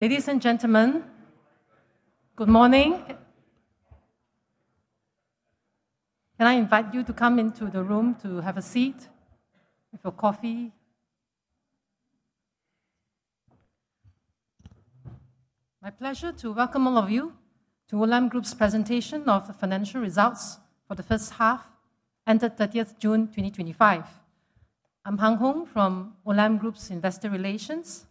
Ladies and gentlemen, good morning. Can I invite you to come into the room to have a seat for coffee? My pleasure to welcome all of you to Olam Group's presentation of the financial results for the first half, ended 30th June 2025. I'm Hung Hoeng from Olam Group's Investor Relations.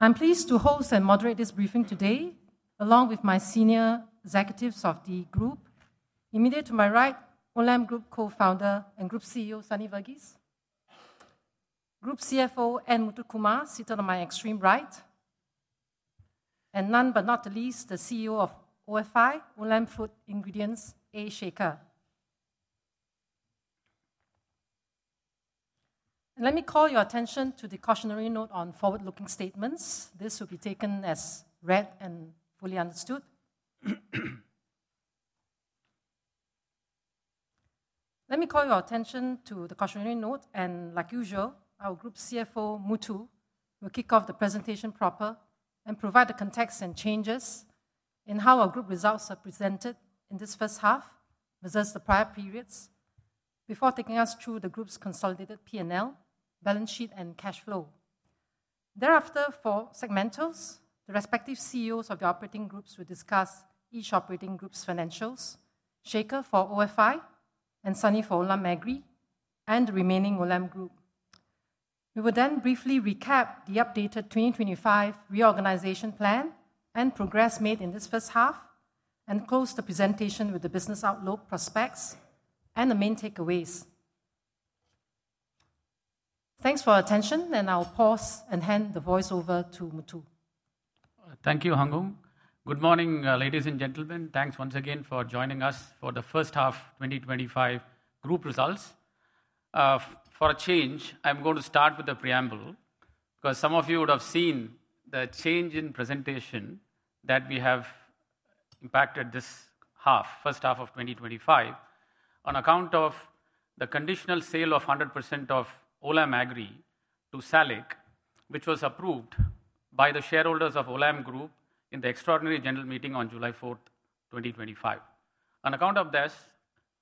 I'm pleased to host and moderate this briefing today, along with my senior executives of the group. Immediately to my right, Olam Group Co-Founder and Group CEO, Sunny Verghese. Group CFO, N. Muthukumar, seated on my extreme right. None but not the least, the CEO of OFI, Olam Food Ingredients, A. Shekhar. Let me call your attention to the cautionary note on forward-looking statements. This will be taken as read and fully understood. Let me call your attention to the cautionary note, and like usual, our Group CFO, Muthu, will kick off the presentation proper and provide the context and changes in how our group results are presented in this first half, versus the prior periods, before taking us through the group's consolidated P&L, balance sheet, and cash flow. Thereafter, for segmentals, the respective CEOs of your operating groups will discuss each operating group's financials. Shekhar for Olam Food Ingredients, and Sunny for Olam Agri, and the Remaining Olam Group. We will then briefly recap the updated 2025 reorganization plan and progress made in this first half, and close the presentation with the business outlook prospects and the main takeaways. Thanks for your attention, and I'll pause and hand the voiceover to Muthu. Thank you, Hung Hoeng. Good morning, ladies and gentlemen. Thanks once again for joining us for the first half 2025 group results. For a change, I'm going to start with the preamble, because some of you would have seen the change in presentation that we have back to this half, first half of 2025, on account of the conditional sale of 100% of Olam Agri to SALIC, which was approved by the shareholders of Olam Group in the extraordinary general meeting on July 4th, 2025. On account of this,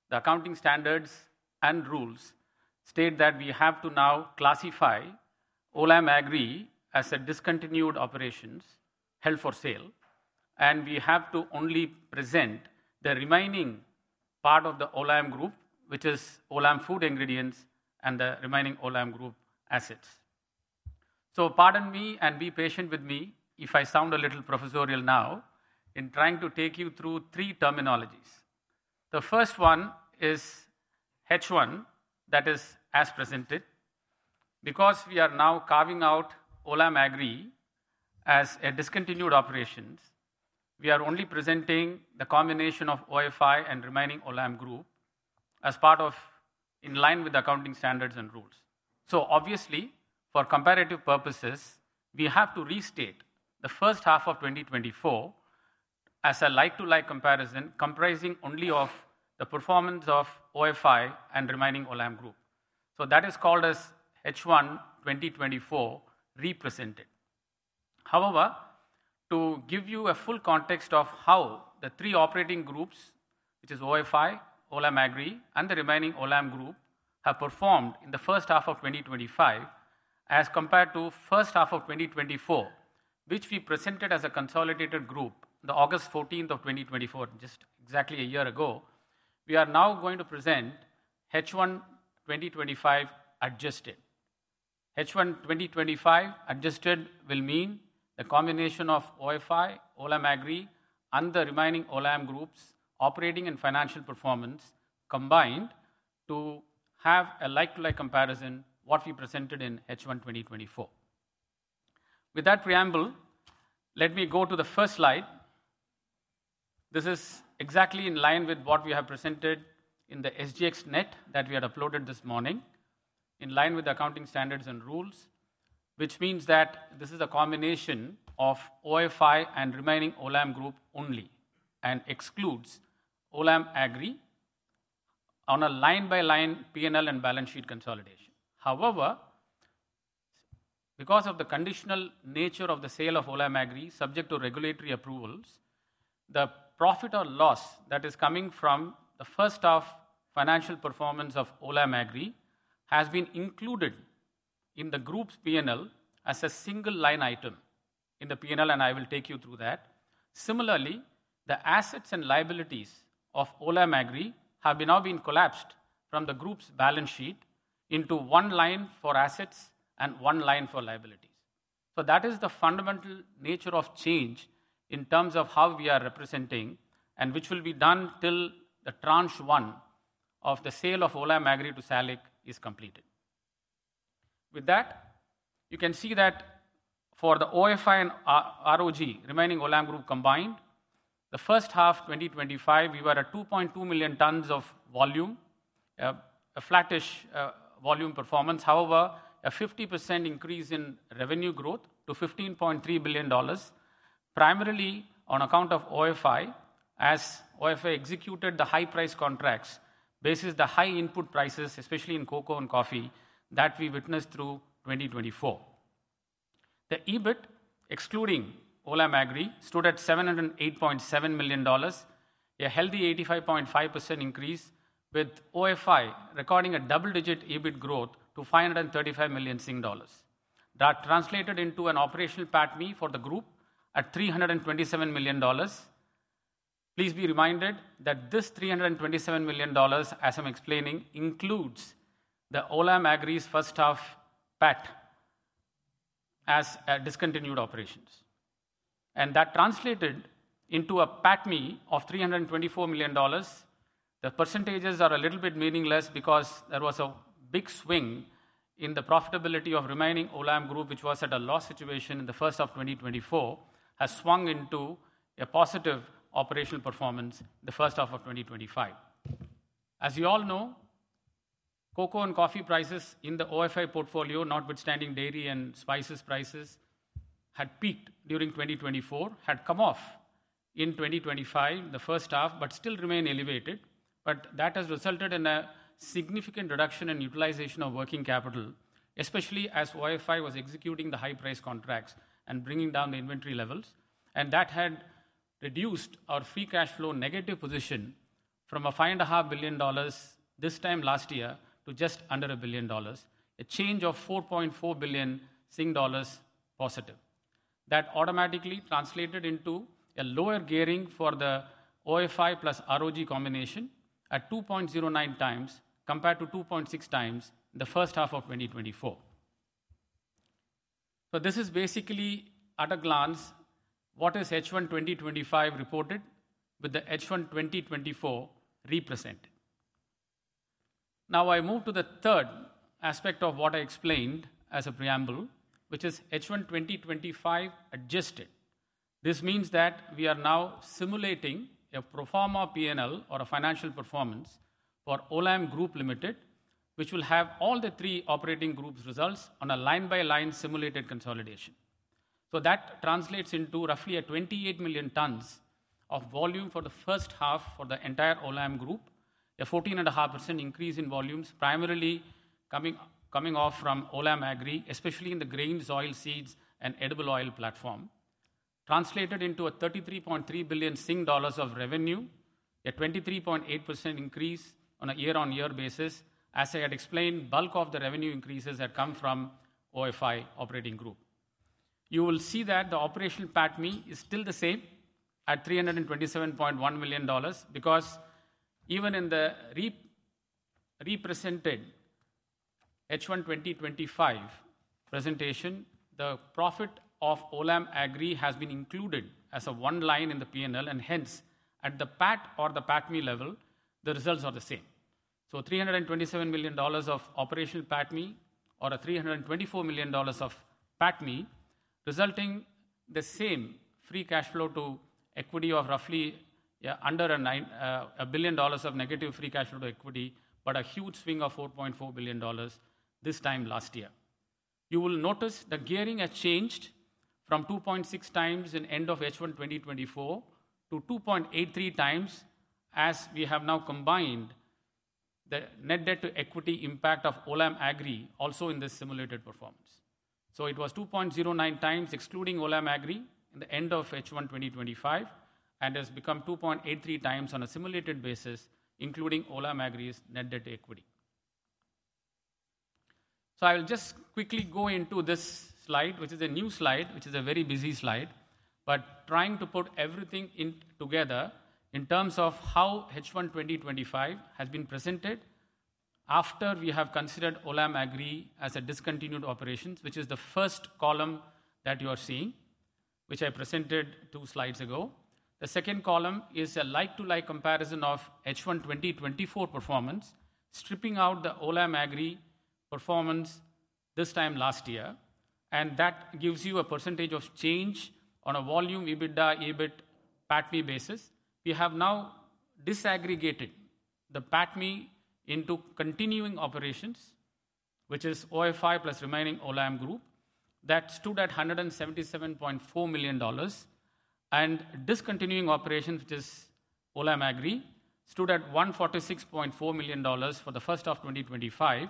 the accounting standards and rules state that we have to now classify Olam Agri as a discontinued operations held for sale, and we have to only present the remaining part of the Olam Group, which is Olam Food Ingredients and the Remaining Olam Group assets. Pardon me and be patient with me if I sound a little professorial now in trying to take you through three terminologies. The first one is H1, that is as presented. Because we are now carving out Olam Agri as a discontinued operation, we are only presenting the combination of OFI and Remaining Olam Group as part of, in line with accounting standards and rules. Obviously, for comparative purposes, we have to restate the first half of 2024 as a like-to-like comparison comprising only of the performance of OFI and Remaining Olam Group. That is called as H1 2024 represented. However, to give you a full context of how the three operating groups, which is OFI, Olam Agri, and the Remaining Olam Group, have performed in the first half of 2025 as compared to the first half of 2024, which we presented as a consolidated group on August 14th, 2024, just exactly a year ago, we are now going to present H1 2025 adjusted. H1 2025 adjusted will mean the combination of OFI, Olam Agri, and the Remaining Olam Group's operating and financial performance combined to have a like-to-like comparison to what we presented in H1 2024. With that preamble, let me go to the first slide. This is exactly in line with what we have presented in the SGXnet that we had uploaded this morning, in line with the accounting standards and rules, which means that this is a combination of OFI and Remaining Olam Group only, and excludes Olam Agri on a line-by-line P&L and balance sheet consolidation. However, because of the conditional nature of the sale of Olam Agri subject to regulatory approvals, the profit or loss that is coming from the first half financial performance of Olam Agri has been included in the group's P&L as a single line item in the P&L, and I will take you through that. Similarly, the assets and liabilities of Olam Agri have now been collapsed from the group's balance sheet into one line for assets and one line for liabilities. That is the fundamental nature of change in terms of how we are representing and which will be done till the Tranche 1 of the sale of Olam Agri to SALIC is completed. With that, you can see that for the OFI and ROG, Remaining Olam Group combined, the first half 2025, we were at 2.2 million tons of volume, a flattish volume performance. However, a 50% increase in revenue growth to $15.3 billion, primarily on account of OFI as OFI executed the high-price contracts, bases the high input prices, especially in cocoa and coffee, that we witnessed through 2024. The EBIT excluding Olam Agri stood at $708.7 million, a healthy 85.5% increase, with OFI recording a double-digit EBIT growth to $535 million. That translated into an operational PATMI for the group at $327 million. Please be reminded that this $327 million, as I'm explaining, includes the Olam Agri's first half PAT as discontinued operations. That translated into a PATMI of $324 million. The percentages are a little bit meaningless because there was a big swing in the profitability of Remaining Olam Group, which was at a loss situation in the first half of 2024, has swung into a positive operational performance in the first half of 2025. As you all know, cocoa and coffee prices in the OFI portfolio, notwithstanding dairy and spices prices, had peaked during 2024, had come off in 2025, the first half, but still remained elevated. That has resulted in a significant reduction in utilization of working capital, especially as OFI was executing the high-price contracts and bringing down the inventory levels. That had reduced our free cash flow negative position from a $5.5 billion this time last year to just under a billion dollars, a change of $4.4 billion positive. That automatically translated into a lower gearing for the OFI plus ROG combination at 2.09x compared to 2.6x in the first half of 2024. This is basically, at a glance, what is H1 2025 reported with the H1 2024 represented. Now I move to the third aspect of what I explained as a preamble, which is H1 2025 adjusted. This means that we are now simulating a pro forma P&L or a financial performance for Olam Group Limited, which will have all the three operating groups' results on a line-by-line simulated consolidation. That translates into roughly 28 million tons of volume for the first half for the entire Olam Group, a 14.5% increase in volumes primarily coming off from Olam Agri, especially in the grains, oil, seeds, and edible oil platform. Translated into a $33.3 billion of revenue, a 23.8% increase on a year-on-year basis. As I had explained, the bulk of the revenue increases had come from OFI operating group. You will see that the operational PATMI is still the same at $327.1 million because even in the represented H1 2025 presentation, the profit of Olam Agri has been included as a one line in the P&L and hence at the PAT or the PATMI level, the results are the same. $327 million of operational PATMI or a $324 million of PATMI resulting in the same free cash flow to equity of roughly under a billion dollars of negative free cash flow to equity, but a huge swing of $4.4 billion this time last year. You will notice the gearing has changed from 2.6x in end of H1 2024 to 2.83x as we have now combined the net debt to equity impact of Olam Agri also in this simulated performance. It was 2.09x excluding Olam Agri in the end of H1 2025 and has become 2.83x on a simulated basis including Olam Agri's net debt to equity. I will just quickly go into this slide, which is a new slide, which is a very busy slide, but trying to put everything together in terms of how H1 2025 has been presented after we have considered Olam Agri as a discontinued operation, which is the first column that you are seeing, which I presented two slides ago. The second column is a like-to-like comparison of H1 2024 performance, stripping out the Olam Agri performance this time last year. That gives you a percentage of change on a volume, EBITDA, EBIT, PATMI basis. We have now disaggregated the PATMI into continuing operations, which is OFI plus Remaining Olam Group, that stood at $177.4 million, and discontinuing operations, which is Olam Agri, stood at $146.4 million for the first half of 2025,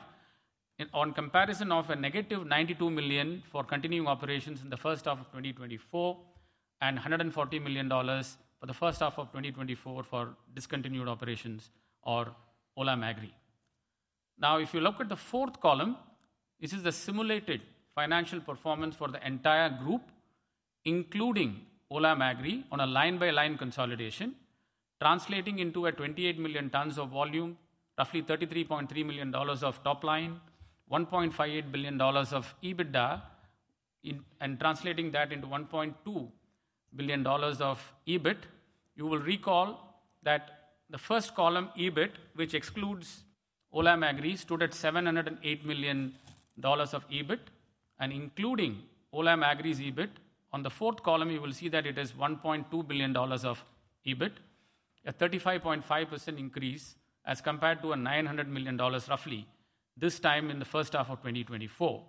on comparison of a -$92 million for continuing operations in the first half of 2024 and $140 million for the first half of 2024 for discontinued operations or Olam Agri. Now, if you look at the fourth column, this is the simulated financial performance for the entire group, including Olam Agri on a line-by-line consolidation, translating into 28 million tons of volume, roughly $33.3 billion of top line, $1.58 billion of EBITDA, and translating that into $1.2 billion of EBIT. You will recall that the first column EBIT, which excludes Olam Agri, stood at $708 million of EBIT, and including Olam Agri's EBIT, on the fourth column, you will see that it is $1.2 billion of EBIT, a 35.5% increase as compared to $900 million roughly this time in the first half of 2024.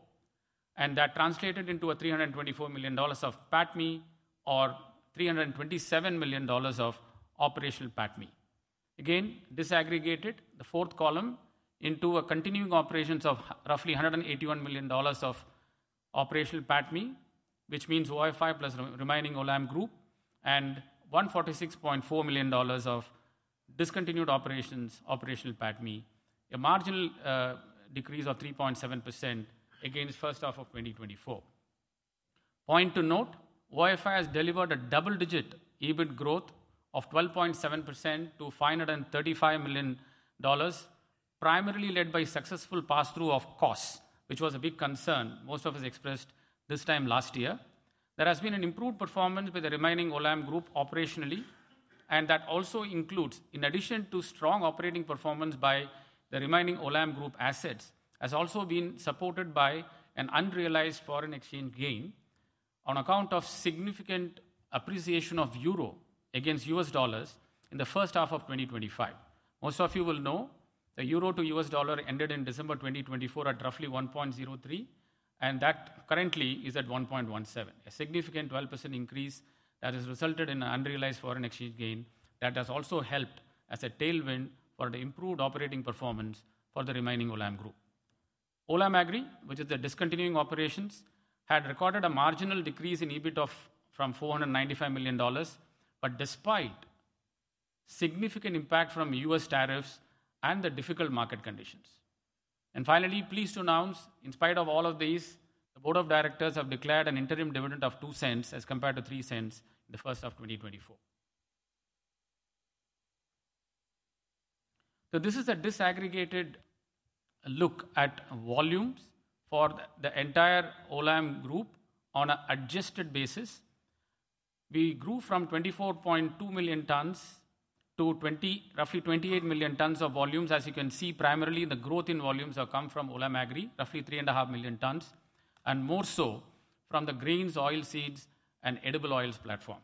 That translated into $324 million of PATMI or $327 million of operational PATMI. Again, disaggregated, the fourth column into a continuing operations of roughly $181 million of operational PATMI, which means OFI plus Remaining Olam Group, and $146.4 million of discontinued operations, operational PATMI, a marginal decrease of 3.7% against the first half of 2024. Point to note, OFI has delivered a double-digit EBIT growth of 12.7% to $535 million, primarily led by successful pass-through of costs, which was a big concern most of us expressed this time last year. There has been an improved performance by the Remaining Olam Group operationally, and that also includes, in addition to strong operating performance by the Remaining Olam Group assets, support by an unrealized foreign exchange gain on account of significant appreciation of euro against U.S. dollars in the first half of 2025. Most of you will know the euro to U.S. dollar ended in December 2024 at roughly 1.03, and that currently is at 1.17, a significant 12% increase that has resulted in an unrealized foreign exchange gain that has also helped as a tailwind for the improved operating performance for the Remaining Olam Group. Olam Agri, which is the discontinuing operations, had recorded a marginal decrease in EBIT from $495 million, despite significant impact from U.S. tariffs and the difficult market conditions. Finally, pleased to announce, in spite of all of these, the Board of Directors have declared an interim dividend of $0.02 as compared to $0.03 in the first half of 2024. This is a disaggregated look at volumes for the entire Olam Group on an adjusted basis. We grew from 24.2 million tons to roughly 28 million tons of volumes, as you can see, primarily the growth in volumes has come from Olam Agri, roughly 3.5 million tons, and more so from the grains, oilseeds, and edible oils platform.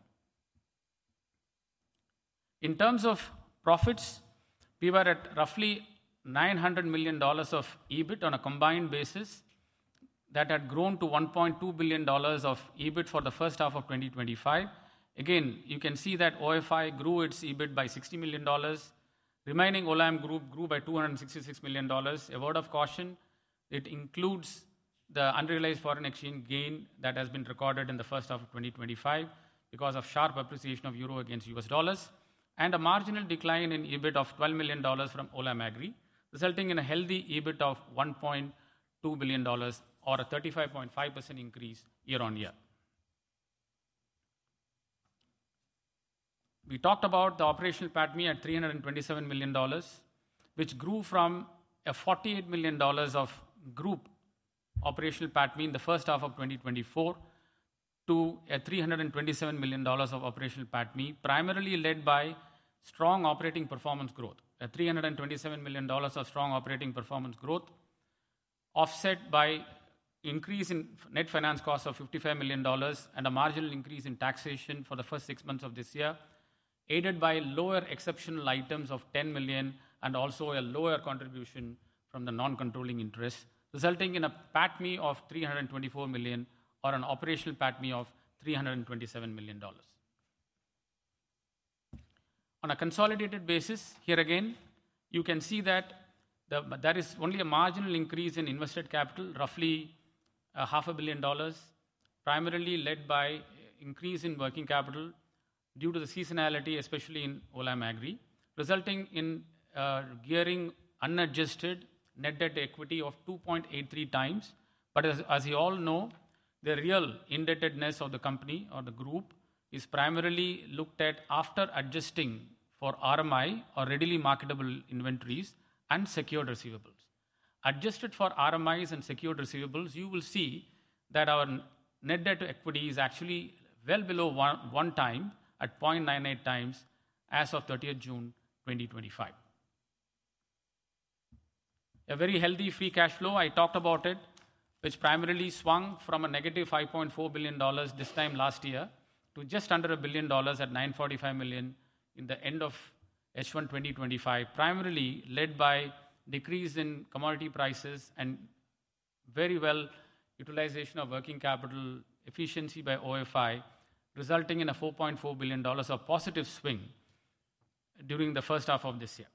In terms of profits, we were at roughly $900 million of EBIT on a combined basis that had grown to $1.2 billion of EBIT for the first half of 2025. Again, you can see that OFI grew its EBIT by $60 million, Remaining Olam Group grew by $266 million. A word of caution, it includes the unrealized foreign exchange gain that has been recorded in the first half of 2025 because of sharp appreciation of euro against U.S. dollars and a marginal decline in EBIT of $12 million from Olam Agri, resulting in a healthy EBIT of $1.2 billion or a 35.5% increase year-on-year. We talked about the operational PATMI at $327 million, which grew from a $48 million of group operational PATMI in the first half of 2024 to a $327 million of operational PATMI, primarily led by strong operating performance growth. A $327 million of strong operating performance growth offset by an increase in net finance costs of $55 million and a marginal increase in taxation for the first six months of this year, aided by lower exceptional items of $10 million and also a lower contribution from the non-controlling interest, resulting in a PATMI of $324 million or an operational PATMI of $327 million. On a consolidated basis, here again, you can see that there is only a marginal increase in invested capital, roughly half a billion dollars, primarily led by an increase in working capital due to the seasonality, especially in Olam Agri, resulting in a gearing unadjusted net debt to equity of 2.83x. As you all know, the real indebtedness of the company or the group is primarily looked at after adjusting for RMI or readily marketable inventories and secured receivables. Adjusted for RMIs and secured receivables, you will see that our net debt to equity is actually well below one time at 0.98x as of 30th June 2025. A very healthy free cash flow, I talked about it, which primarily swung from a -$5.4 billion this time last year to just under a billion dollars at $945 million in the end of H1 2025, primarily led by a decrease in commodity prices and very well utilization of working capital efficiency by OFI, resulting in a $4.4 billion of positive swing during the first half of this year.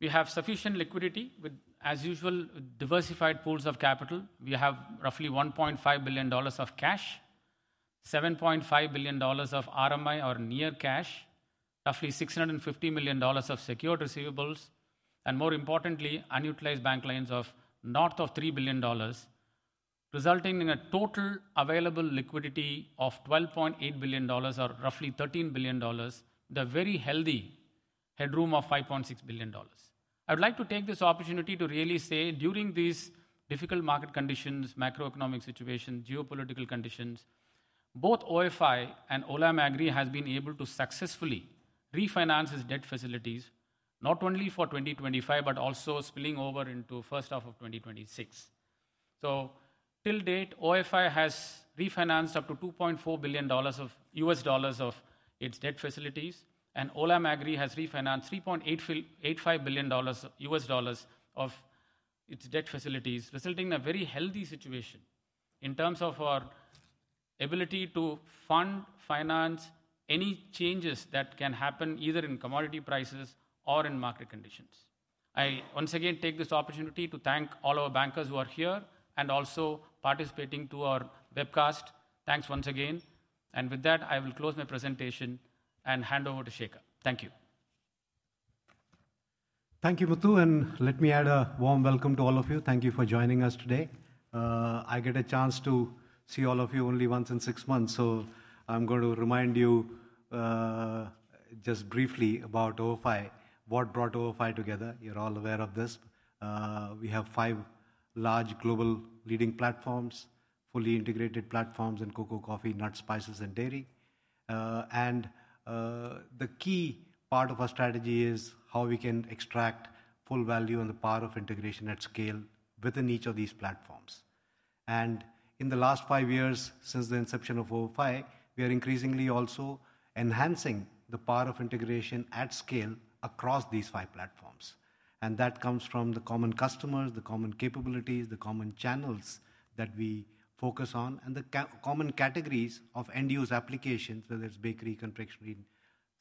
We have sufficient liquidity with, as usual, diversified pools of capital. We have roughly $1.5 billion of cash, $7.5 billion of RMI or near cash, roughly $650 million of secured receivables, and more importantly, unutilized bank lines of north of $3 billion, resulting in a total available liquidity of $12.8 billion or roughly $13 billion, with a very healthy headroom of $5.6 billion. I would like to take this opportunity to really say, during these difficult market conditions, macroeconomic situations, geopolitical conditions, both OFI and Olam Agri have been able to successfully refinance its debt facilities, not only for 2025, but also spilling over into the first half of 2026. Till date, OFI has refinanced up to $2.4 billion of US dollars of its debt facilities, and Olam Agri has refinanced $3.85 billion of US dollars of its debt facilities, resulting in a very healthy situation in terms of our ability to fund, finance any changes that can happen either in commodity prices or in market conditions. I once again take this opportunity to thank all our bankers who are here and also participating to our webcast. Thanks once again. With that, I will close my presentation and hand over to Shekhar. Thank you. Thank you, Muthu. Let me add a warm welcome to all of you. Thank you for joining us today. I get a chance to see all of you only once in six months, so I'm going to remind you just briefly about OFI, what brought OFI together. You're all aware of this. We have five large global leading platforms, fully integrated platforms in cocoa, coffee, nuts, spices, and dairy. The key part of our strategy is how we can extract full value and the power of integration at scale within each of these platforms. In the last five years, since the inception of OFI, we are increasingly also enhancing the power of integration at scale across these five platforms. That comes from the common customers, the common capabilities, the common channels that we focus on, and the common categories of end-use applications, whether it's bakery, confectionery,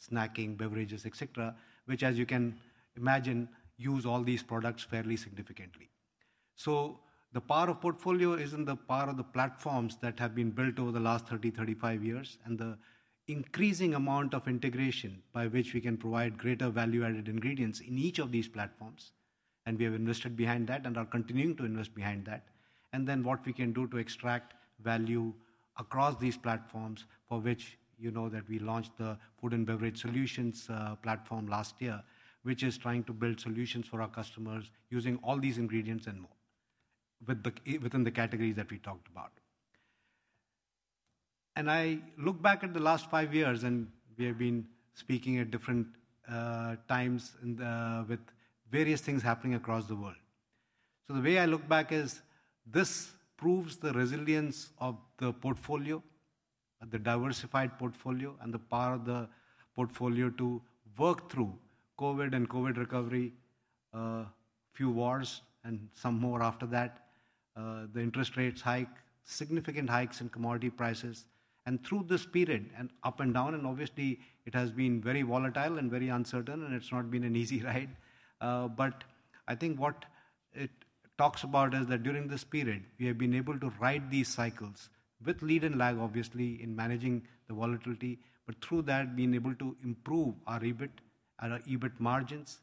snacking, beverages, et cetera, which, as you can imagine, use all these products fairly significantly. The power of portfolio is in the power of the platforms that have been built over the last 30, 35 years, and the increasing amount of integration by which we can provide greater value-added ingredients in each of these platforms. We have invested behind that and are continuing to invest behind that. What we can do to extract value across these platforms, for which you know that we launched the food and beverage solutions platform last year, is trying to build solutions for our customers using all these ingredients and more, within the categories that we talked about. I look back at the last five years, and we have been speaking at different times with various things happening across the world. The way I look back is this proves the resilience of the portfolio, the diversified portfolio, and the power of the portfolio to work through COVID and COVID recovery, a few wars and some more after that, the interest rates hike, significant hikes in commodity prices. Through this period, and up and down, obviously, it has been very volatile and very uncertain, and it's not been an easy ride. I think what it talks about is that during this period, we have been able to ride these cycles with lead and lag, obviously, in managing the volatility, but through that, being able to improve our EBIT and our EBIT margins,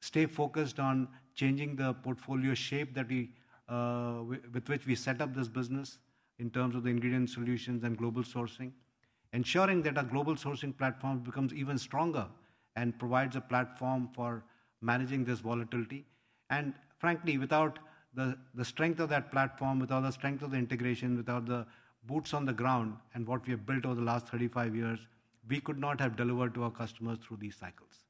stay focused on changing the portfolio shape with which we set up this business in terms of the ingredient solutions and global sourcing, ensuring that our global sourcing platform becomes even stronger and provides a platform for managing this volatility. Frankly, without the strength of that platform, without the strength of the integration, without the boots on the ground and what we have built over the last 35 years, we could not have delivered to our customers through these cycles.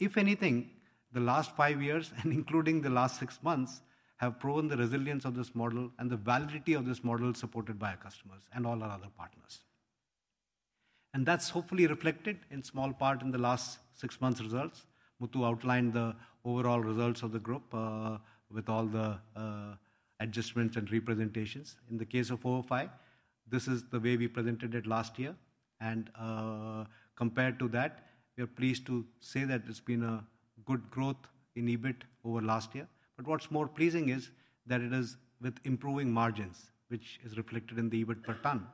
If anything, the last five years, and including the last six months, have proven the resilience of this model and the validity of this model supported by our customers and all our other partners. That's hopefully reflected in small part in the last six months' results. Muthu outlined the overall results of the group with all the adjustments and representations. In the case of OFI, this is the way we presented it last year. Compared to that, we are pleased to say that there's been a good growth in EBIT over last year. What's more pleasing is that it is with improving margins, which is reflected in the EBIT per ton.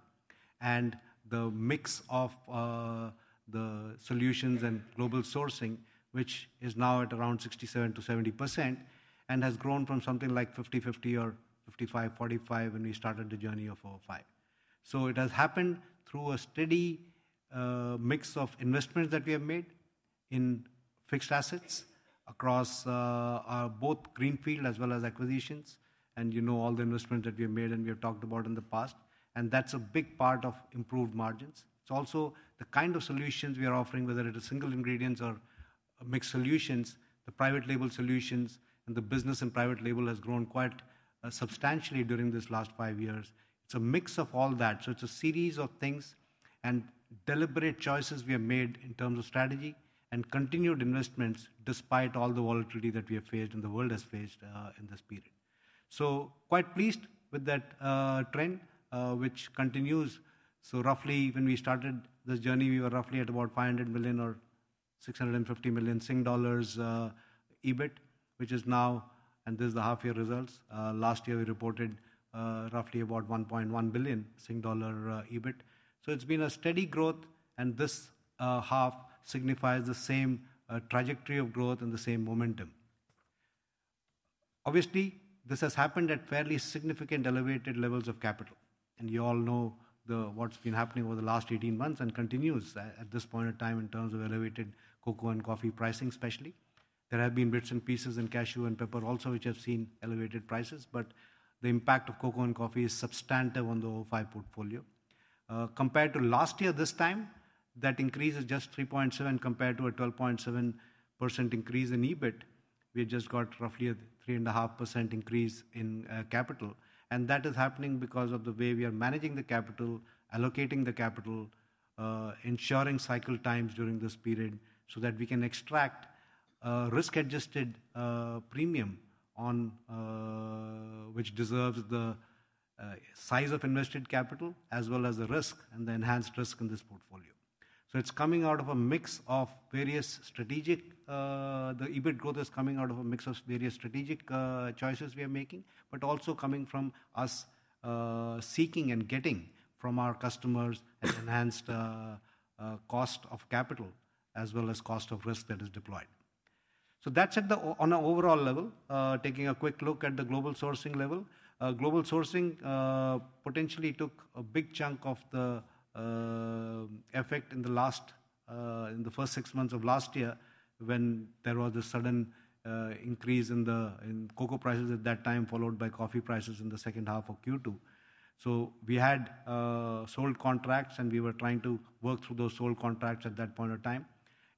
The mix of the solutions and global sourcing, which is now at around 67%-70% and has grown from something like 50%-50% or 55%-45% when we started the journey of OFI. It has happened through a steady mix of investments that we have made in fixed assets across both greenfield as well as acquisitions, and you know all the investments that we have made and we have talked about in the past. That's a big part of improved margins. It's also the kind of solutions we are offering, whether it is single ingredients or mixed solutions, the private label solutions, and the business in private label has grown quite substantially during these last five years. It's a mix of all that. It's a series of things and deliberate choices we have made in terms of strategy and continued investments despite all the volatility that we have faced and the world has faced in this period. Quite pleased with that trend, which continues. Roughly when we started this journey, we were roughly at about $500 million or $650 million EBIT, which is now, and this is the half-year results. Last year, we reported roughly about $1.1 billion EBIT. It's been a steady growth, and this half signifies the same trajectory of growth and the same momentum. Obviously, this has happened at fairly significant elevated levels of capital. You all know what's been happening over the last 18 months and continues at this point in time in terms of elevated cocoa and coffee pricing, especially. There have been bits and pieces in cashew and pepper also, which have seen elevated prices, but the impact of cocoa and coffee is substantive on the OFI portfolio. Compared to last year, this time, that increase is just 3.7% compared to a 12.7% increase in EBIT. We have just got roughly a 3.5% increase in capital. That is happening because of the way we are managing the capital, allocating the capital, ensuring cycle times during this period so that we can extract a risk-adjusted premium which deserves the size of invested capital as well as the risk and the enhanced risk in this portfolio. It's coming out of a mix of various strategic EBIT growth is coming out of a mix of various strategic choices we are making, but also coming from us seeking and getting from our customers an enhanced cost of capital as well as cost of risk that is deployed. That's at the overall level. Taking a quick look at the global sourcing level. Global sourcing potentially took a big chunk of the effect in the first six months of last year when there was a sudden increase in cocoa prices at that time, followed by coffee prices in the second half of Q2. So we had sold contracts, and we were trying to work through those sold contracts at that point in time.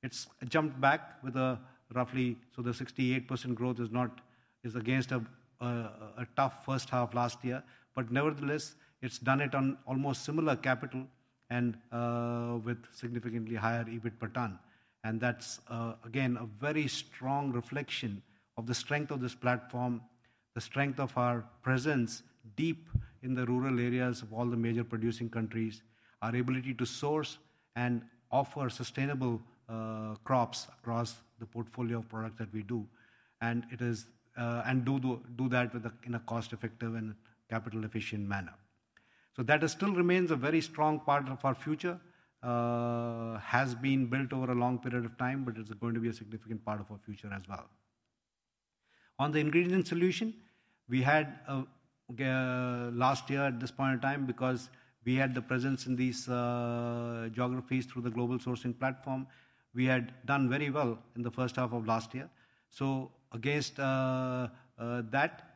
It's jumped back with a roughly, so the 68% growth is not against a tough first half last year, but nevertheless, it's done it on almost similar capital and with significantly higher EBIT per ton. That is, again, a very strong reflection of the strength of this platform, the strength of our presence deep in the rural areas of all the major producing countries, our ability to source and offer sustainable crops across the portfolio of products that we do. It is, and do that in a cost-effective and capital-efficient manner. That still remains a very strong part of our future, has been built over a long period of time, but it's going to be a significant part of our future as well. On the ingredient solution, we had last year at this point in time because we had the presence in these geographies through the global sourcing platform, we had done very well in the first half of last year. Against that,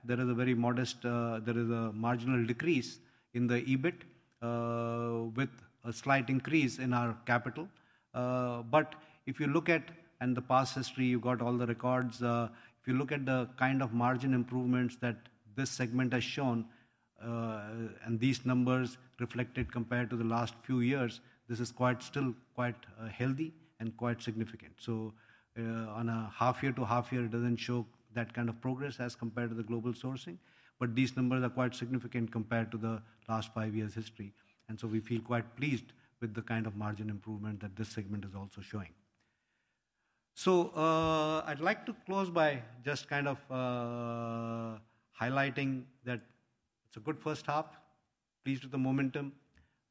there is a very modest, there is a marginal decrease in the EBIT with a slight increase in our capital. If you look at the past history, you've got all the records. If you look at the kind of margin improvements that this segment has shown and these numbers reflected compared to the last few years, this is still quite healthy and quite significant. On a half-year to half-year, it doesn't show that kind of progress as compared to the global sourcing, but these numbers are quite significant compared to the last five years' history. We feel quite pleased with the kind of margin improvement that this segment is also showing. I'd like to close by just kind of highlighting that it's a good first half, pleased with the momentum,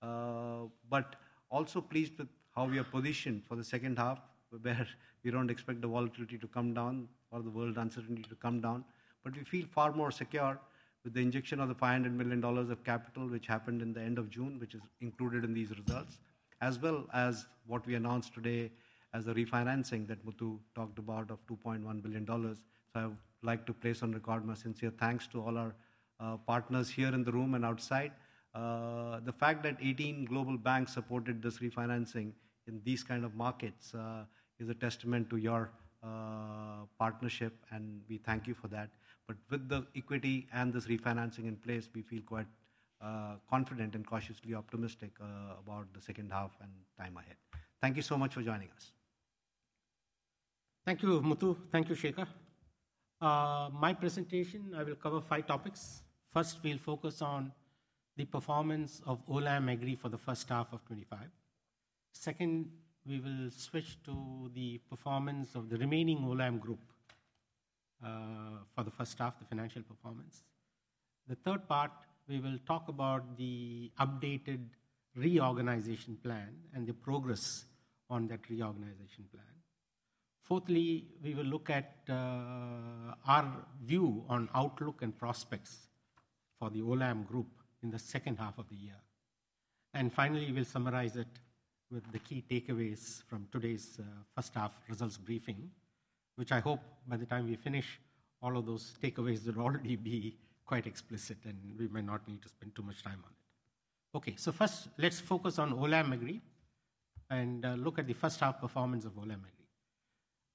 but also pleased with how we are positioned for the second half where we don't expect the volatility to come down or the world uncertainty to come down. We feel far more secure with the injection of the $500 million of capital, which happened in the end of June, which is included in these results, as well as what we announced today as a refinancing that Muthu talked about of $2.1 billion. I would like to place on record my sincere thanks to all our partners here in the room and outside. The fact that 18 global banks supported this refinancing in these kinds of markets is a testament to your partnership, and we thank you for that. With the equity and this refinancing in place, we feel quite confident and cautiously optimistic about the second half and time ahead. Thank you so much for joining us. Thank you, Muthu. Thank you, Shekhar. My presentation, I will cover five topics. First, we'll focus on the performance of Olam Agri for the first half of 2025. Second, we will switch to the performance of the Remaining Olam Group for the first half, the financial performance. The third part, we will talk about the updated reorganization plan and the progress on that reorganization plan. Fourthly, we will look at our view on outlook and prospects for the Olam Group in the second half of the year. Finally, we'll summarize it with the key takeaways from today's first half results briefing, which I hope by the time we finish, all of those takeaways will already be quite explicit and we might not need to spend too much time on it. Okay, first, let's focus on Olam Agri and look at the first half performance of Olam Agri.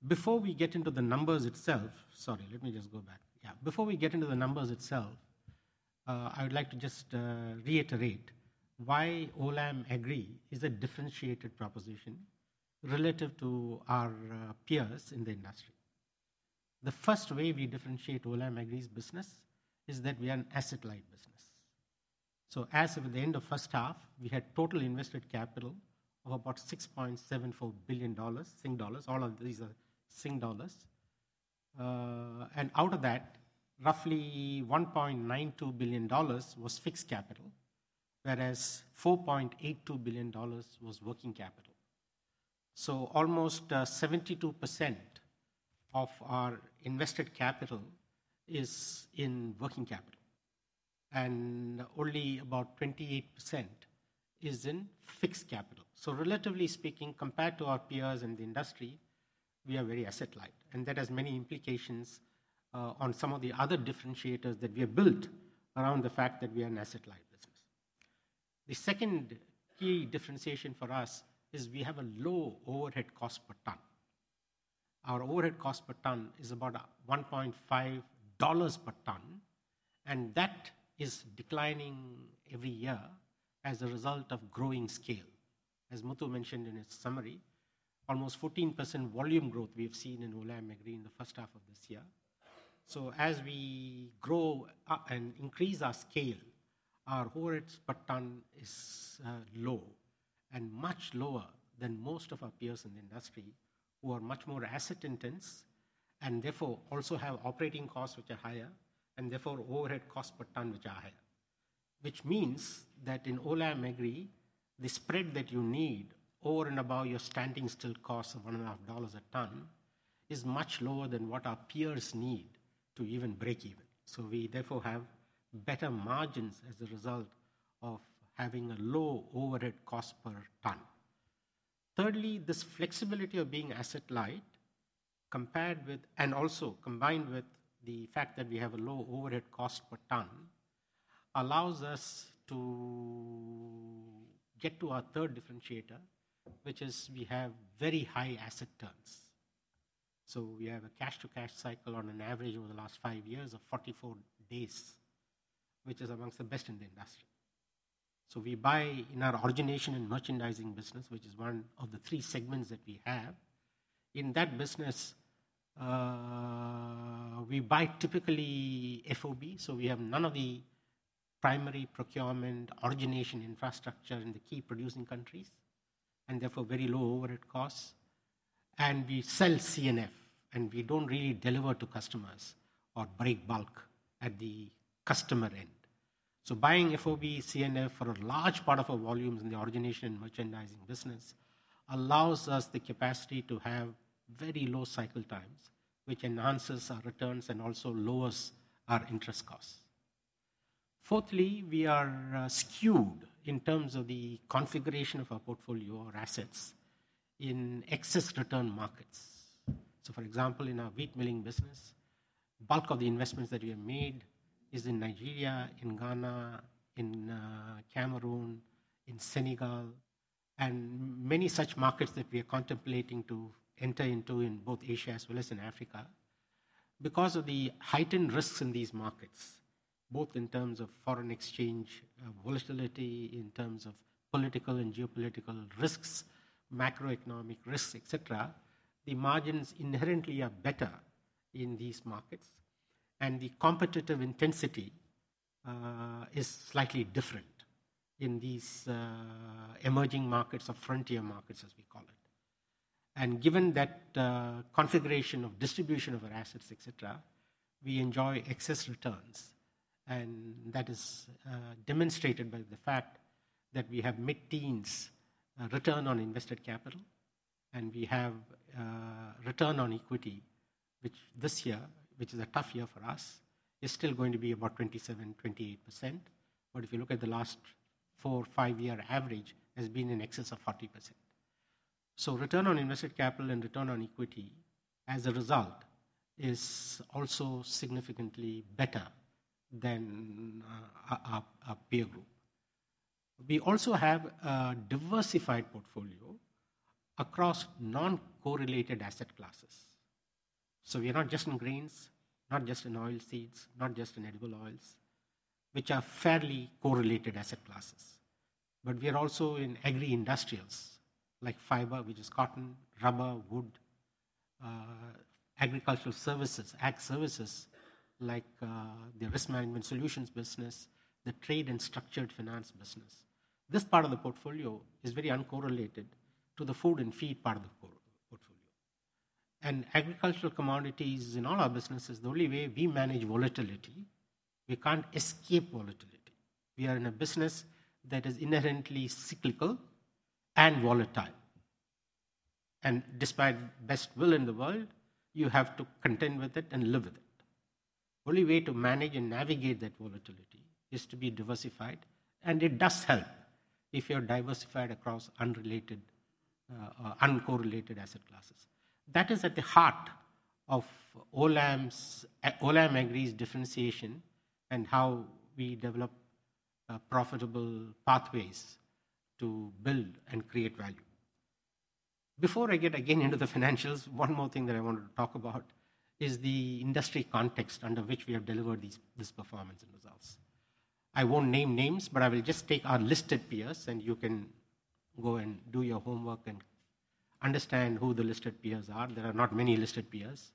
Before we get into the numbers itself, I would like to just reiterate why Olam Agri is a differentiated proposition relative to our peers in the industry. The first way we differentiate Olam Agri's business is that we are an asset-light business. As of the end of the first half, we had total invested capital of about 6.74 billion Sing dollars. All of these are Singapore dollars. Out of that, roughly 1.92 billion dollars was fixed capital, whereas 4.82 billion dollars was working capital. Almost 72% of our invested capital is in working capital, and only about 28% is in fixed capital. Relatively speaking, compared to our peers in the industry, we are very asset-light. That has many implications on some of the other differentiators that we have built around the fact that we are an asset-light business. The second key differentiation for us is we have a low overhead cost per ton. Our overhead cost per ton is about 1.5 dollars per ton, and that is declining every year as a result of growing scale. As Muthu mentioned in his summary, almost 14% volume growth we have seen in Olam Agri in the first half of this year. As we grow and increase our scale, our overhead per ton is low and much lower than most of our peers in the industry who are much more asset-intense and therefore also have operating costs which are higher and therefore overhead costs per ton which are higher. This means that in Olam Agri, the spread that you need over and above your standing still cost of 1.5 dollars a ton is much lower than what our peers need to even break even. We therefore have better margins as a result of having a low overhead cost per ton. Thirdly, this flexibility of being asset-light, combined with the fact that we have a low overhead cost per ton, allows us to get to our third differentiator, which is we have very high asset turns. We have a cash-to-cash cycle on an average over the last five years of 44 days, which is amongst the best in the industry. We buy in our origination and merchandising business, which is one of the three segments that we have. In that business, we buy typically FOB, so we have none of the primary procurement origination infrastructure in the key producing countries and therefore very low overhead costs. We sell CNF, and we don't really deliver to customers or break bulk at the customer end. Buying FOB CNF for a large part of our volumes in the origination and merchandising business allows us the capacity to have very low cycle times, which enhances our returns and also lowers our interest costs. Fourthly, we are skewed in terms of the configuration of our portfolio or assets in excess return markets. For example, in our wheat milling business, the bulk of the investments that we have made are in Nigeria, in Ghana, in Cameroon, in Senegal, and many such markets that we are contemplating to enter into in both Asia as well as in Africa. Because of the heightened risks in these markets, both in terms of foreign exchange volatility, in terms of political and geopolitical risks, macroeconomic risks, et cetera, the margins inherently are better in these markets, and the competitive intensity is slightly different in these emerging markets or frontier markets, as we call it. Given that configuration of distribution of our assets, etc., we enjoy excess returns, and that is demonstrated by the fact that we have mid-teens return on invested capital, and we have return on equity, which this year, which is a tough year for us, is still going to be about 27%, 28%. If you look at the last four or five-year average, it has been in excess of 40%. Return on invested capital and return on equity as a result is also significantly better than our peer group. We also have a diversified portfolio across non-correlated asset classes. We are not just in grains, not just in oil seeds, not just in edible oils, which are fairly correlated asset classes. We are also in agri-industrials like fiber, which is cotton, rubber, wood, agricultural services, AG services like the risk management solutions business, the trade and structured finance business. This part of the portfolio is very uncorrelated to the food and feed part of the portfolio. In agricultural commodities in all our businesses, the only way we manage volatility, we can't escape volatility. We are in a business that is inherently cyclical and volatile. Despite the best will in the world, you have to contend with it and live with it. The only way to manage and navigate that volatility is to be diversified, and it does help if you're diversified across unrelated or uncorrelated asset classes. That is at the heart of Olam Agri's differentiation and how we develop profitable pathways to build and create value. Before I get again into the financials, one more thing that I wanted to talk about is the industry context under which we have delivered this performance and results. I won't name names, but I will just take our listed peers, and you can go and do your homework and understand who the listed peers are. There are not many listed peers.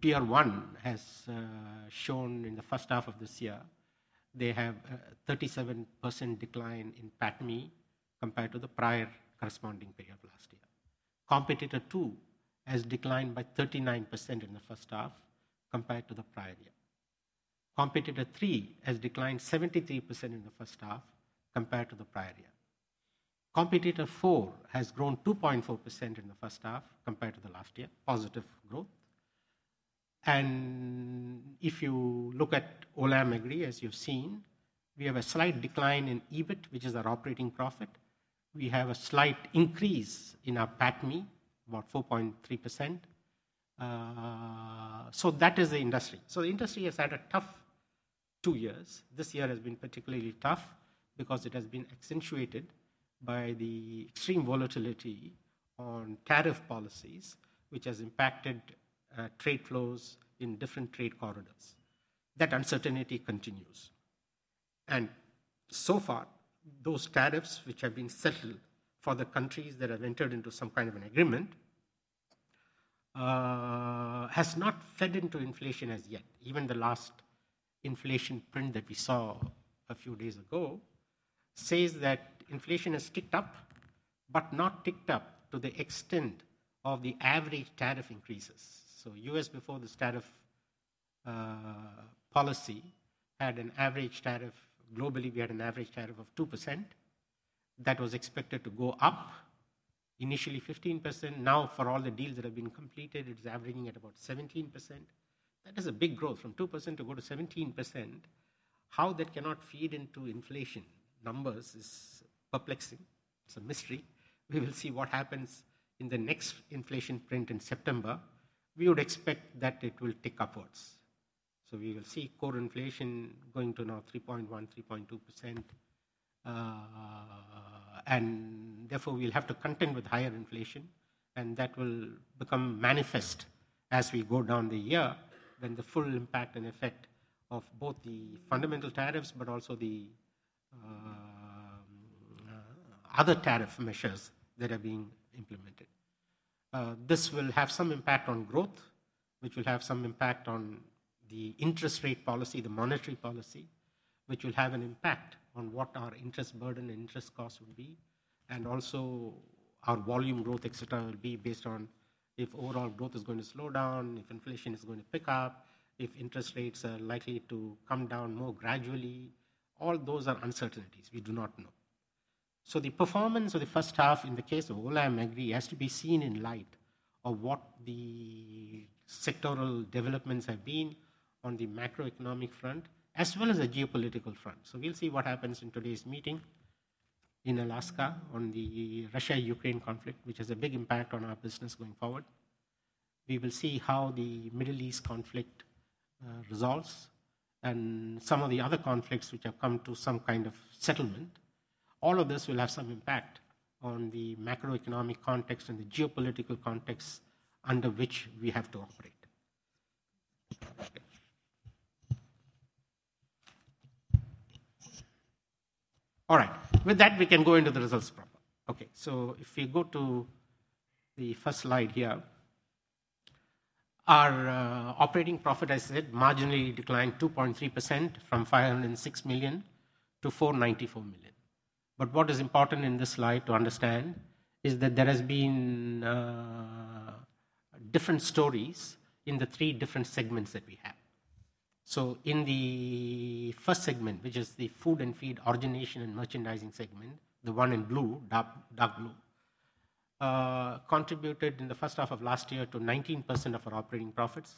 Peer one has shown in the first half of this year, they have a 37% decline in PATMI compared to the prior corresponding period last year. Competitor two has declined by 39% in the first half compared to the prior year. Competitor three has declined 73% in the first half compared to the prior year. Competitor four has grown 2.4% in the first half compared to last year, positive growth. If you look at Olam Agri, as you've seen, we have a slight decline in EBIT, which is our operating profit. We have a slight increase in our PATMI, about 4.3%. That is the industry. The industry has had a tough two years. This year has been particularly tough because it has been accentuated by the extreme volatility on tariff policies, which has impacted trade flows in different trade corridors. That uncertainty continues. So far, those tariffs which have been settled for the countries that have entered into some kind of an agreement have not fed into inflation as yet. Even the last inflation print that we saw a few days ago says that inflation has ticked up, but not ticked up to the extent of the average tariff increases. The U.S. before this tariff policy had an average tariff globally, we had an average tariff of 2% that was expected to go up initially 15%. Now, for all the deals that have been completed, it's averaging at about 17%. That is a big growth from 2% to go to 17%. How that cannot feed into inflation numbers is perplexing. It's a mystery. We will see what happens in the next inflation print in September. We would expect that it will tick upwards. We will see core inflation going to now 3.1%, 3.2%. Therefore, we'll have to contend with higher inflation, and that will become manifest as we go down the year when the full impact and effect of both the fundamental tariffs, but also the other tariff measures that are being implemented. This will have some impact on growth, which will have some impact on the interest rate policy, the monetary policy, which will have an impact on what our interest burden and interest costs would be. Also, our volume growth, et cetera, will be based on if overall growth is going to slow down, if inflation is going to pick up, if interest rates are likely to come down more gradually. All those are uncertainties. We do not know. The performance of the first half in the case of Olam Agri has to be seen in light of what the sectoral developments have been on the macroeconomic front, as well as a geopolitical front. We will see what happens in today's meeting in Alaska on the Russia-Ukraine conflict, which has a big impact on our business going forward. We will see how the Middle East conflict resolves and some of the other conflicts which have come to some kind of settlement. All of this will have some impact on the macroeconomic context and the geopolitical context under which we have to operate. All right. With that, we can go into the results problem. If we go to the first slide here,\. Our operating profit, I said, marginally declined 2.3% from $506 million-$494 million. What is important in this slide to understand is that there have been different stories in the three different segments that we have. In the first segment, which is the food and feed origination and merchandising segment, the one in blue, dark blue, contributed in the first half of last year to 19% of our operating profits.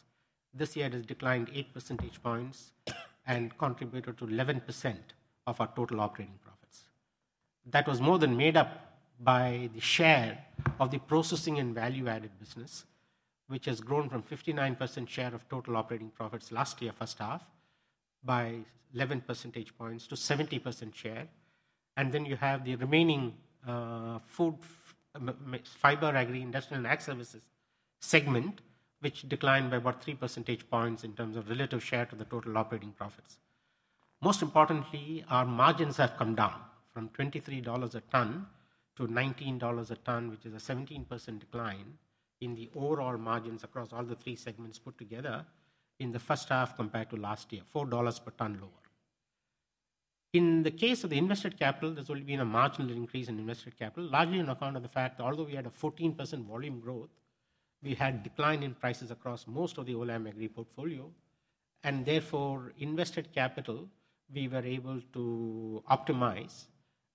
This year, it has declined eight percentage points and contributed to 11% of our total operating profits. That was more than made up by the share of the processing and value-added business, which has grown from a 59% share of total operating profits last year, first half, by 11% to a 70% share. Then you have the remaining food, fiber, agri-industrial, and ag services segment, which declined by about 3% in terms of relative share to the total operating profits. Most importantly, our margins have come down from $23 a ton to $19 a ton, which is a 17% decline in the overall margins across all the three segments put together in the first half compared to last year, $4 per ton lower. In the case of the invested capital, there's only been a marginal increase in invested capital, largely on account of the fact that although we had a 14% volume growth, we had a decline in prices across most of the Olam Agri portfolio. Therefore, invested capital, we were able to optimize,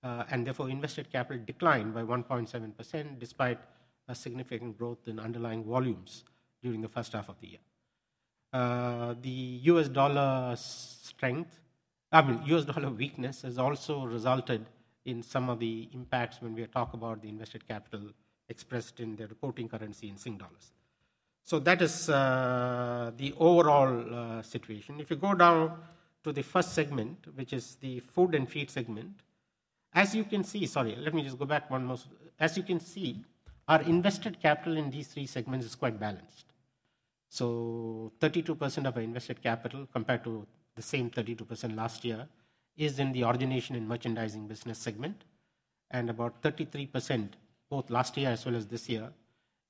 and invested capital declined by 1.7% despite a significant growth in underlying volumes during the first half of the year. The U.S. dollar weakness has also resulted in some of the impacts when we talk about the invested capital expressed in the reporting currency in SGD. That is the overall situation. If you go down to the first segment, which is the food and feed segment, as you can see, let me just go back one more time. As you can see, our invested capital in these three segments is quite balanced. 32% of our invested capital compared to the same 32% last year is in the origination and merchandising business segment. About 33%, both last year as well as this year,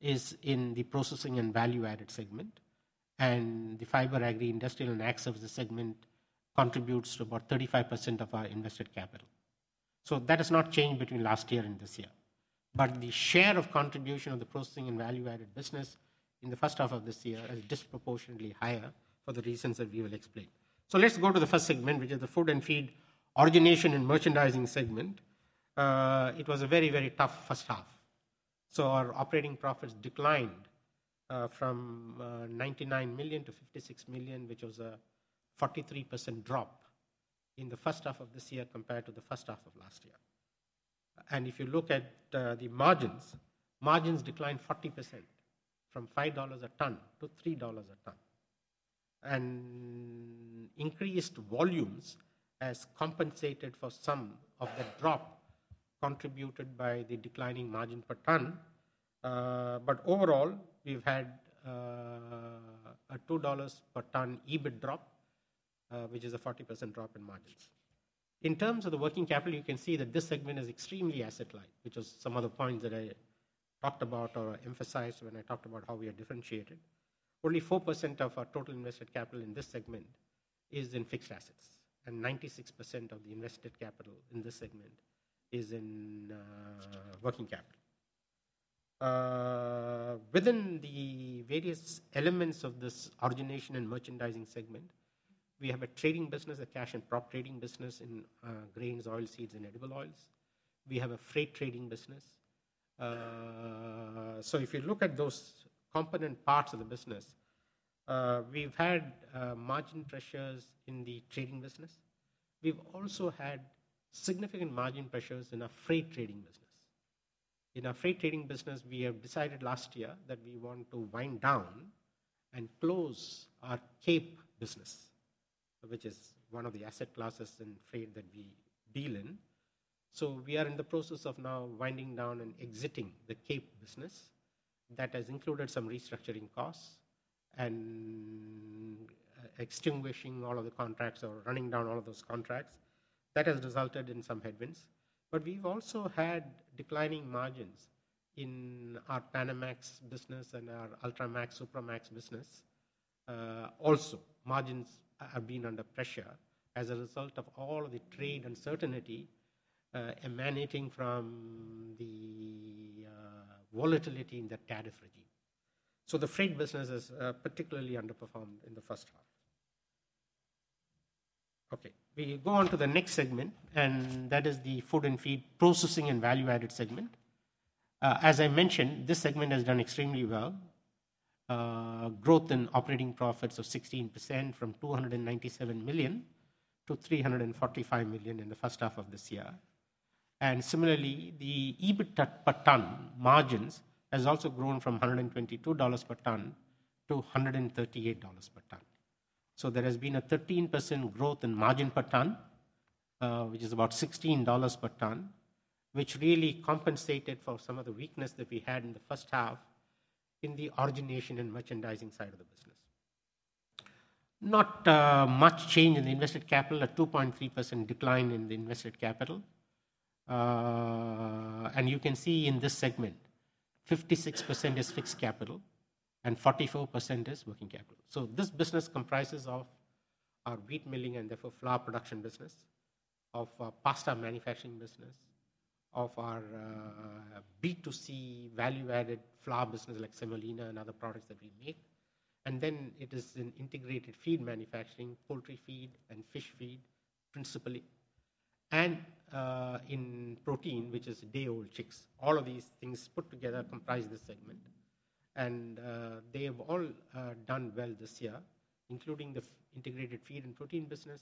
is in the processing and value-added segment. The fiber, agri-industrial, and AG services segment contributes to about 35% of our invested capital. That has not changed between last year and this year. The share of contribution of the processing and value-added business in the first half of this year is disproportionately higher for the reasons that we will explain. Let's go to the first segment, which is the food and feed origination and merchandising segment. It was a very, very tough first half. Our operating profits declined from $99 million-$56 million, which was a 43% drop in the first half of this year compared to the first half of last year. If you look at the margins, margins declined 40% from $5 a ton to $3 a ton. Increased volumes has compensated for some of that drop contributed by the declining margin per ton, but overall, we've had a $2 per ton EBIT drop, which is a 40% drop in margins. In terms of the working capital, you can see that this segment is extremely asset-light, which are some of the points that I talked about or emphasized when I talked about how we are differentiated. Only 4% of our total invested capital in this segment is in fixed assets, and 96% of the invested capital in this segment is in working capital. Within the various elements of this origination and merchandising segment, we have a trading business, a cash and prop trading business in grains, oil seeds, and edible oils. We have a freight trading business. If you look at those component parts of the business, we've had margin pressures in the trading business. We've also had significant margin pressures in our freight trading business. In our freight trading business, we decided last year that we want to wind down and close our Cape business, which is one of the asset classes in freight that we deal in. We are in the process of now winding down and exiting the Cape business. That has included some restructuring costs and extinguishing all of the contracts or running down all of those contracts. That has resulted in some headwinds. We've also had declining margins in our Panamax business and our Ultramax, Supramax business. Margins have been under pressure as a result of all of the trade uncertainty emanating from the volatility in the tariff regime. The freight business has particularly underperformed in the first half. We go on to the next segment, and that is the food and feed processing and value-added segment. As I mentioned, this segment has done extremely well. Growth in operating profits of 16% from $297 million-$345 million in the first half of this year. Similarly, the EBITDA per ton margins has also grown from $122 per ton to $138 per ton. There has been a 13% growth in margin per ton, which is about $16 per ton, which really compensated for some of the weakness that we had in the first half in the origination and merchandising side of the business. Not much change in the invested capital, a 2.3% decline in the invested capital. In this segment, 56% is fixed capital and 44% is working capital. This business comprises of our wheat milling and therefore flour production business, of our pasta manufacturing business, of our B2C value-added flour business like semolina and other products that we make. It is an integrated feed manufacturing, poultry feed and fish feed principally, and in protein, which is day-old chicks. All of these things put together comprise this segment. They have all done well this year, including the integrated feed and protein business,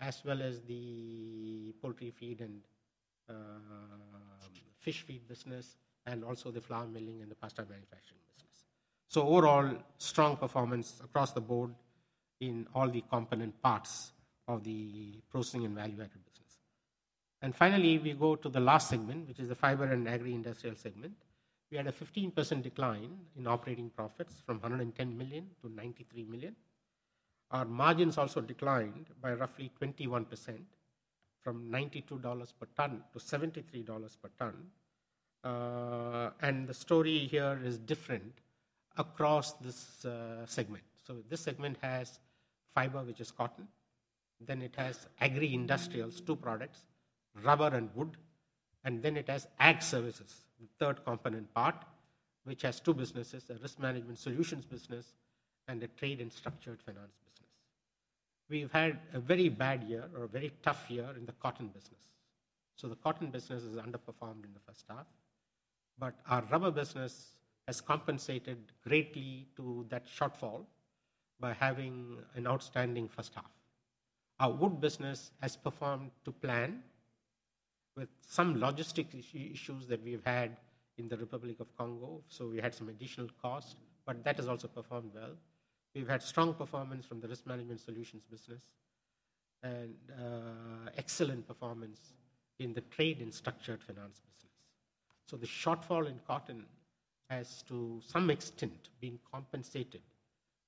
as well as the poultry feed and fish feed business, and also the flour milling and the pasta manufacturing business. Overall, strong performance across the board in all the component parts of the processing and value-added business. Finally, we go to the last segment, which is the fiber and agri-industrial segment. We had a 15% decline in operating profits from $110 million-$93 million. Our margins also declined by roughly 21% from $92 per ton to $73 per ton. The story here is different across this segment. This segment has fiber, which is cotton. It has agri-industrials, two products, rubber and wood. It has AG services, the third component part, which has two businesses, a risk management solutions business and a trade and structured finance business. We've had a very bad year or a very tough year in the cotton business. The cotton business has underperformed in the first half. Our rubber business has compensated greatly to that shortfall by having an outstanding first half. Our wood business has performed to plan with some logistic issues that we've had in the Republic of Congo. We had some additional costs, but that has also performed well. We've had strong performance from the risk management solutions business and excellent performance in the trade and structured finance business. The shortfall in cotton has to some extent been compensated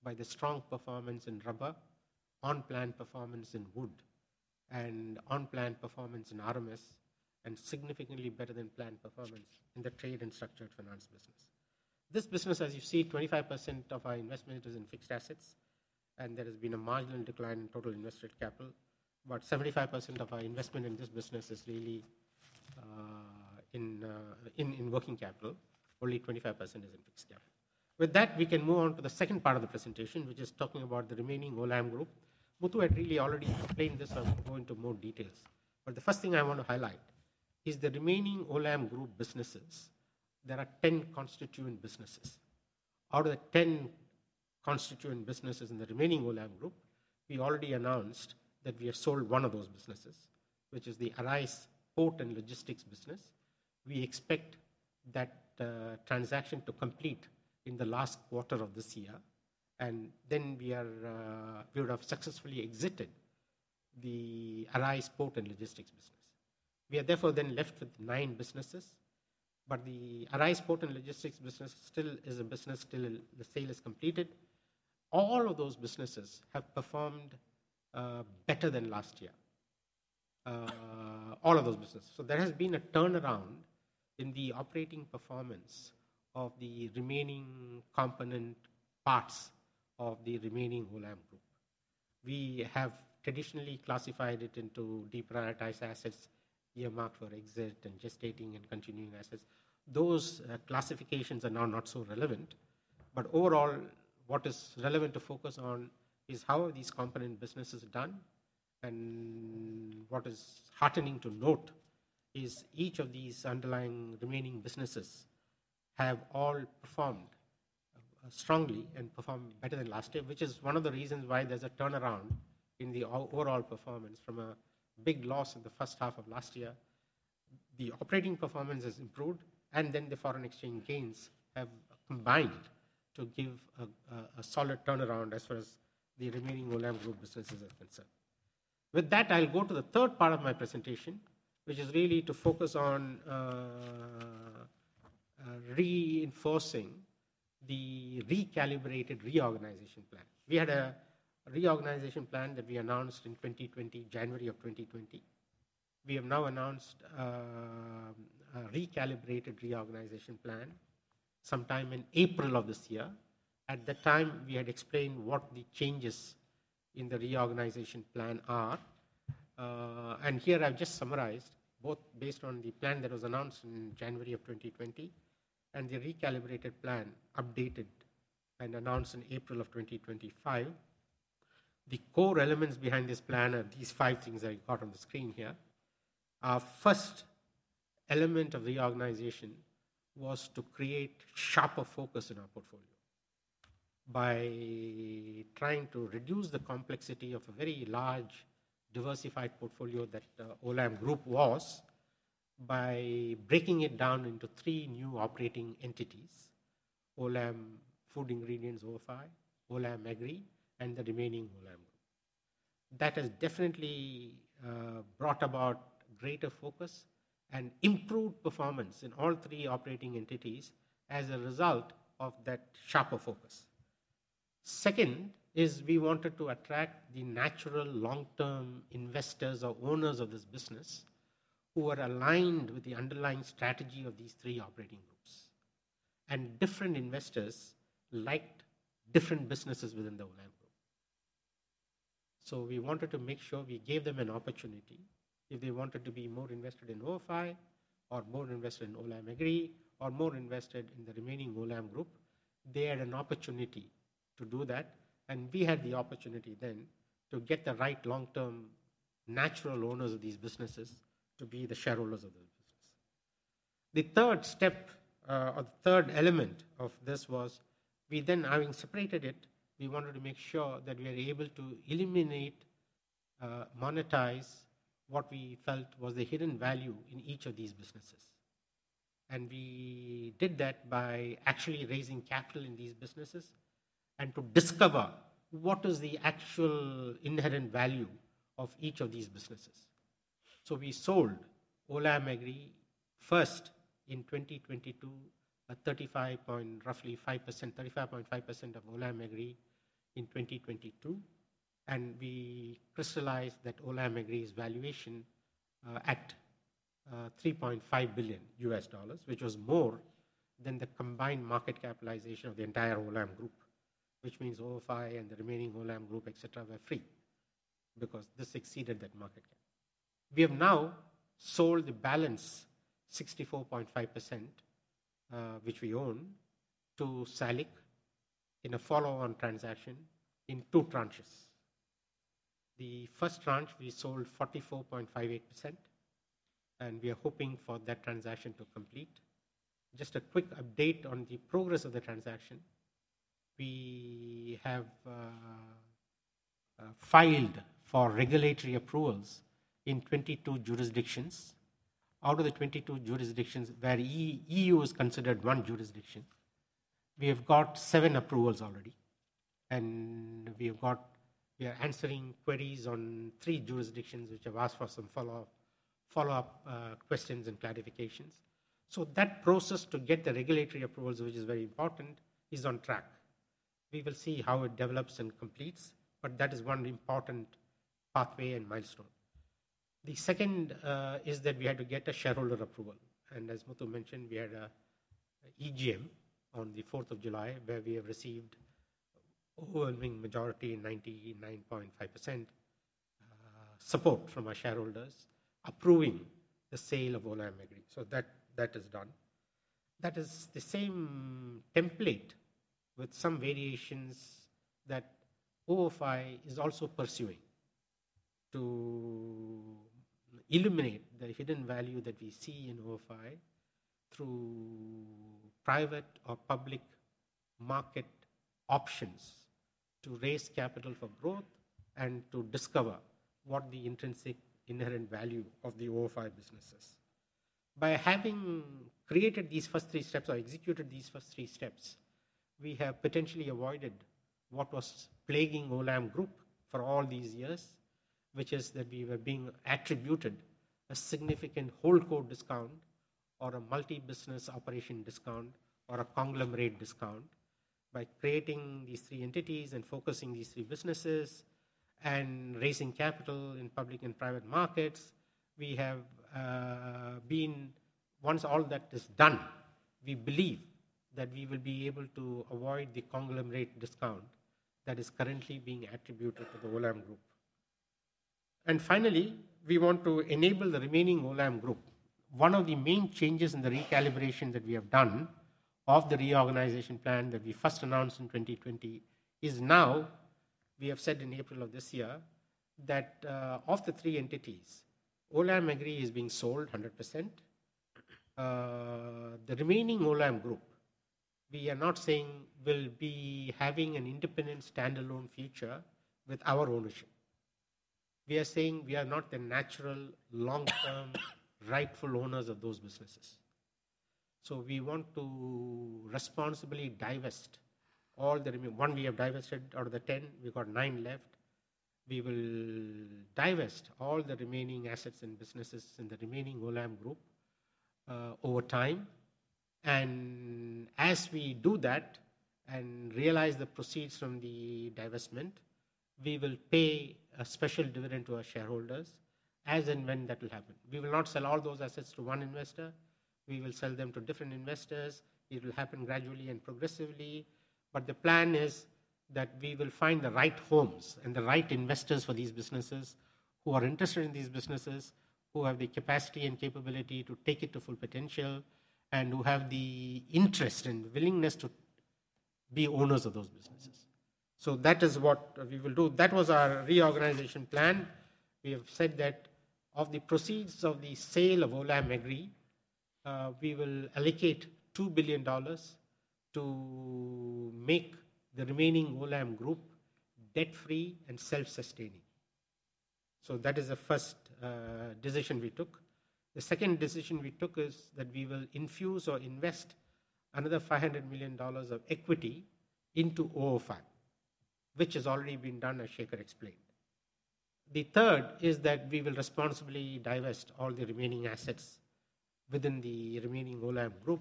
by the strong performance in rubber, on-plan performance in wood, and on-plan performance in AG services, and significantly better than planned performance in the trade and structured finance business. This business, as you see, 25% of our investment is in fixed assets, and there has been a marginal decline in total invested capital. About 75% of our investment in this business is really in working capital. Only 25% is in fixed capital. With that, we can move on to the second part of the presentation, which is talking about the Remaining Olam Group. Muthu had really already explained this. I'll go into more details. The first thing I want to highlight is the Remaining Olam Group businesses. There are 10 constituent businesses. Out of the 10 constituent businesses in the Remaining Olam Group, we already announced that we have sold one of those businesses, which is the Arise Port and Logistics business. We expect that transaction to complete in the last quarter of this year, and then we would have successfully exited the Arise Port and Logistics business. We are therefore then left with nine businesses, but the Arise Port and Logistics business still is a business. Still, the sale is completed. All of those businesses have performed better than last year, all of those businesses. There has been a turnaround in the operating performance of the remaining component parts of the Remaining Olam Group. We have traditionally classified it into de-prioritized assets, earmarked for exit, and gestating and continuing assets. Those classifications are now not so relevant. Overall, what is relevant to focus on is how are these component businesses done. What is heartening to note is each of these underlying remaining businesses have all performed strongly and performed better than last year, which is one of the reasons why there's a turnaround in the overall performance from a big loss in the first half of last year. The operating performance has improved, and the foreign exchange gains have combined to give a solid turnaround as far as the Remaining Olam Group businesses are concerned. With that, I'll go to the third part of my presentation, which is really to focus on reinforcing the recalibrated reorganization plan. We had a reorganization plan that we announced in 2020, January of 2020. We have now announced a recalibrated reorganization plan sometime in April of this year. At that time, we had explained what the changes in the reorganization plan are. Here I've just summarized, both based on the plan that was announced in January of 2020 and the recalibrated plan updated and announced in April of 2025. The core elements behind this plan are these five things I got on the screen here. Our first element of reorganization was to create sharper focus in our portfolio by trying to reduce the complexity of a very large diversified portfolio that Olam Group was by breaking it down into three new operating entities: Olam Food Ingredients, OFI, Olam Agri, and the Remaining Olam Group. That has definitely brought about greater focus and improved performance in all three operating entities as a result of that sharper focus. Second is we wanted to attract the natural long-term investors or owners of this business who are aligned with the underlying strategy of these three operating groups. Different investors liked different businesses within the Olam Group. We wanted to make sure we gave them an opportunity. If they wanted to be more invested in OFI or more invested in Olam Agri or more invested in the Remaining Olam Group, they had an opportunity to do that and they had the opportunity then to get the right long-term natural owners of these businesses to be the shareholders of the business. The third step or the third element of this was we then, having separated it, wanted to make sure that we were able to illuminate, monetize what we felt was the hidden value in each of these businesses. We did that by actually raising capital in these businesses and to discover what is the actual inherent value of each of these businesses. We sold Olam Agri first in 2022, a 35.5% of Olam Agri in 2022. We crystallized that Olam Agri's valuation at $3.5 billion, which was more than the combined market capitalization of the entire Olam Group, which means OFI and the Remaining Olam Group, were free because this exceeded that market cap. We have now sold the balance 64.5%, which we own, to SALIC in a follow-on transaction in two tranches. The first tranche, we sold 44.58%, and we are hoping for that transaction to complete. Just a quick update on the progress of the transaction. We have filed for regulatory approvals in 22 jurisdictions. Out of the 22 jurisdictions, where EU is considered one jurisdiction, we have got seven approvals already. We are answering queries on three jurisdictions which have asked for some follow-up questions and clarifications. That process to get the regulatory approvals, which is very important, is on track. We will see how it develops and completes, but that is one important pathway and milestone. The second is that we had to get a shareholder approval. As Muthu mentioned, we had an EGM on the 4th of July, where we have received an overwhelming majority of 99.5% support from our shareholders approving the sale of Olam Agri. That is done. That is the same template with some variations that OFI is also pursuing to illuminate the hidden value that we see in OFI through private or public market options to raise capital for growth and to discover what the intrinsic inherent value of the OFI business is. By having created these first three steps or executed these first three steps, we have potentially avoided what was plaguing Olam Group for all these years, which is that we were being attributed a significant whole core discount or a multi-business operation discount or a conglomerate discount. By creating these three entities and focusing these three businesses and raising capital in public and private markets, once all that is done, we believe that we will be able to avoid the conglomerate discount that is currently being attributed to the Olam Group. Finally, we want to enable the Remaining Olam Group, one of the main changes in the recalibration that we have done of the reorganization plan that we first announced in 2020 is now, we have said in April of this year that of the three entities, Olam Agri is being sold 100%. The Remaining Olam Group, we are not saying we'll be having an independent standalone future with our ownership. We are saying we are not the natural long-term rightful owners of those businesses. We want to responsibly divest all the, one, we have divested out of the 10, we've got 9 left. We will divest all the remaining assets and businesses in the Remaining Olam Group over time. As we do that and realize the proceeds from the divestment, we will pay a special dividend to our shareholders as and when that will happen. We will not sell all those assets to one investor. We will sell them to different investors. It will happen gradually and progressively. The plan is that we will find the right homes and the right investors for these businesses who are interested in these businesses, who have the capacity and capability to take it to full potential, and who have the interest and willingness to be owners of those businesses. That is what we will do. That was our reorganization plan. We have said that of the proceeds of the sale of Olam Agri, we will allocate $2 billion to make the Remaining Olam Group debt-free and self-sustaining. That is the first decision we took. The second decision we took is that we will infuse or invest another $500 million of equity into OFI, which has already been done, as Shekhar explained. The third is that we will responsibly divest all the remaining assets within the Remaining Olam Group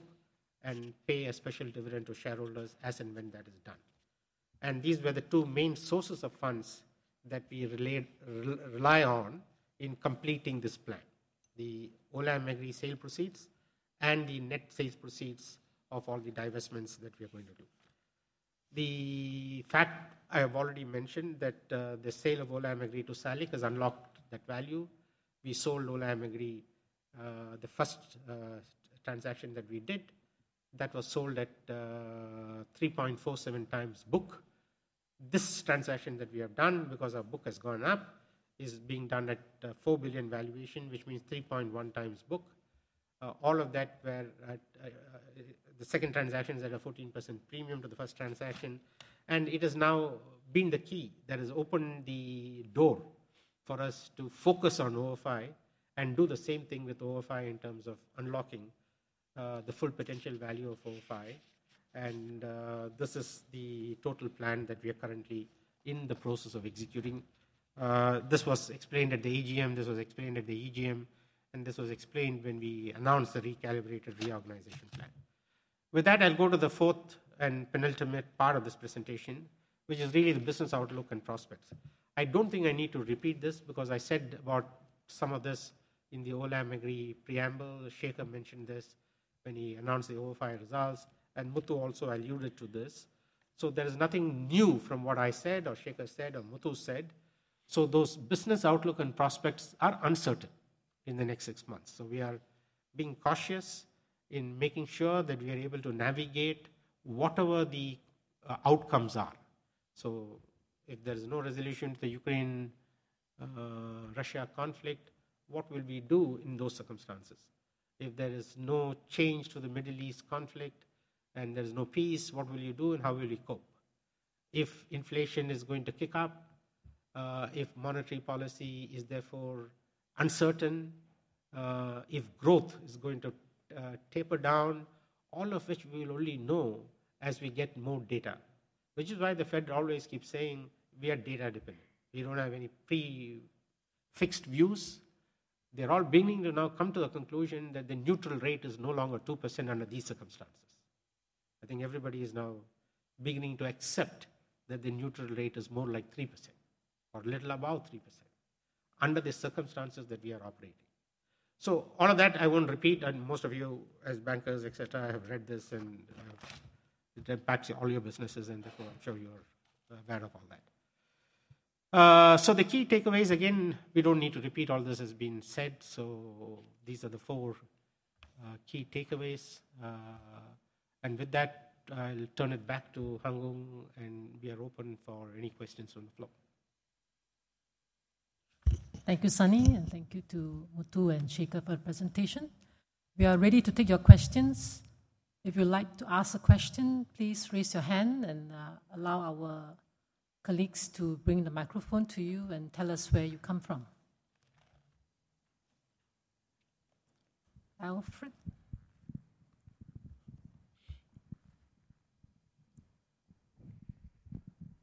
and pay a special dividend to shareholders as and when that is done. These were the two main sources of funds that we rely on in completing this plan: the Olam Agri sale proceeds and the net sales proceeds of all the divestments that we are going to do. The fact I have already mentioned that the sale of Olam Agri to SALIC has unlocked that value. We sold Olam Agri, the first transaction that we did, that was sold at 3.47x book. This transaction that we have done because our book has gone up is being done at $4 billion valuation, which means 3.1x book. All of that where the second transaction is at a 14% premium to the first transaction. It has now been the key that has opened the door for us to focus on OFI and do the same thing with OFI in terms of unlocking the full potential value of OFI. This is the total plan that we are currently in the process of executing. This was explained at the EGM. This was explained at the EGM. This was explained when we announced the recalibrated reorganization plan. With that, I'll go to the fourth and penultimate part of this presentation, which is really the business outlook and prospects. I don't think I need to repeat this because I said about some of this in the Olam Agri preamble. Shekhar mentioned this when he announced the OFI results and Muthu also alluded to this. There is nothing new from what I said or Shekhar said or Muthu said. Those business outlook and prospects are uncertain in the next six months. We are being cautious in making sure that we are able to navigate whatever the outcomes are. If there's no resolution to the Ukraine-Russia conflict, what will we do in those circumstances? If there is no change to the Middle East conflict and there's no peace, what will you do and how will you cope? If inflation is going to kick up, if monetary policy is therefore uncertain, if growth is going to taper down, all of which we will only know as we get more data, which is why the Fed always keeps saying we are data-dependent. We don't have any pre-fixed views. They're all beginning to now come to the conclusion that the neutral rate is no longer 2% under these circumstances. I think everybody is now beginning to accept that the neutral rate is more like 3% or a little above 3% under the circumstances that we are operating. All of that I won't repeat. Most of you, as bankers, et cetera, have read this and it impacts all your businesses. I'm sure you're aware of all that. The key takeaways, again, we don't need to repeat; all this has been said. These are the four key takeaways. With that, I'll turn it back to Hung Hoeng and be open for any questions on the floor. Thank you, Sunny, and thank you to Muthu and Shekhar for your presentation. We are ready to take your questions. If you'd like to ask a question, please raise your hand and allow our colleagues to bring the microphone to you and tell us where you come from. Alfred?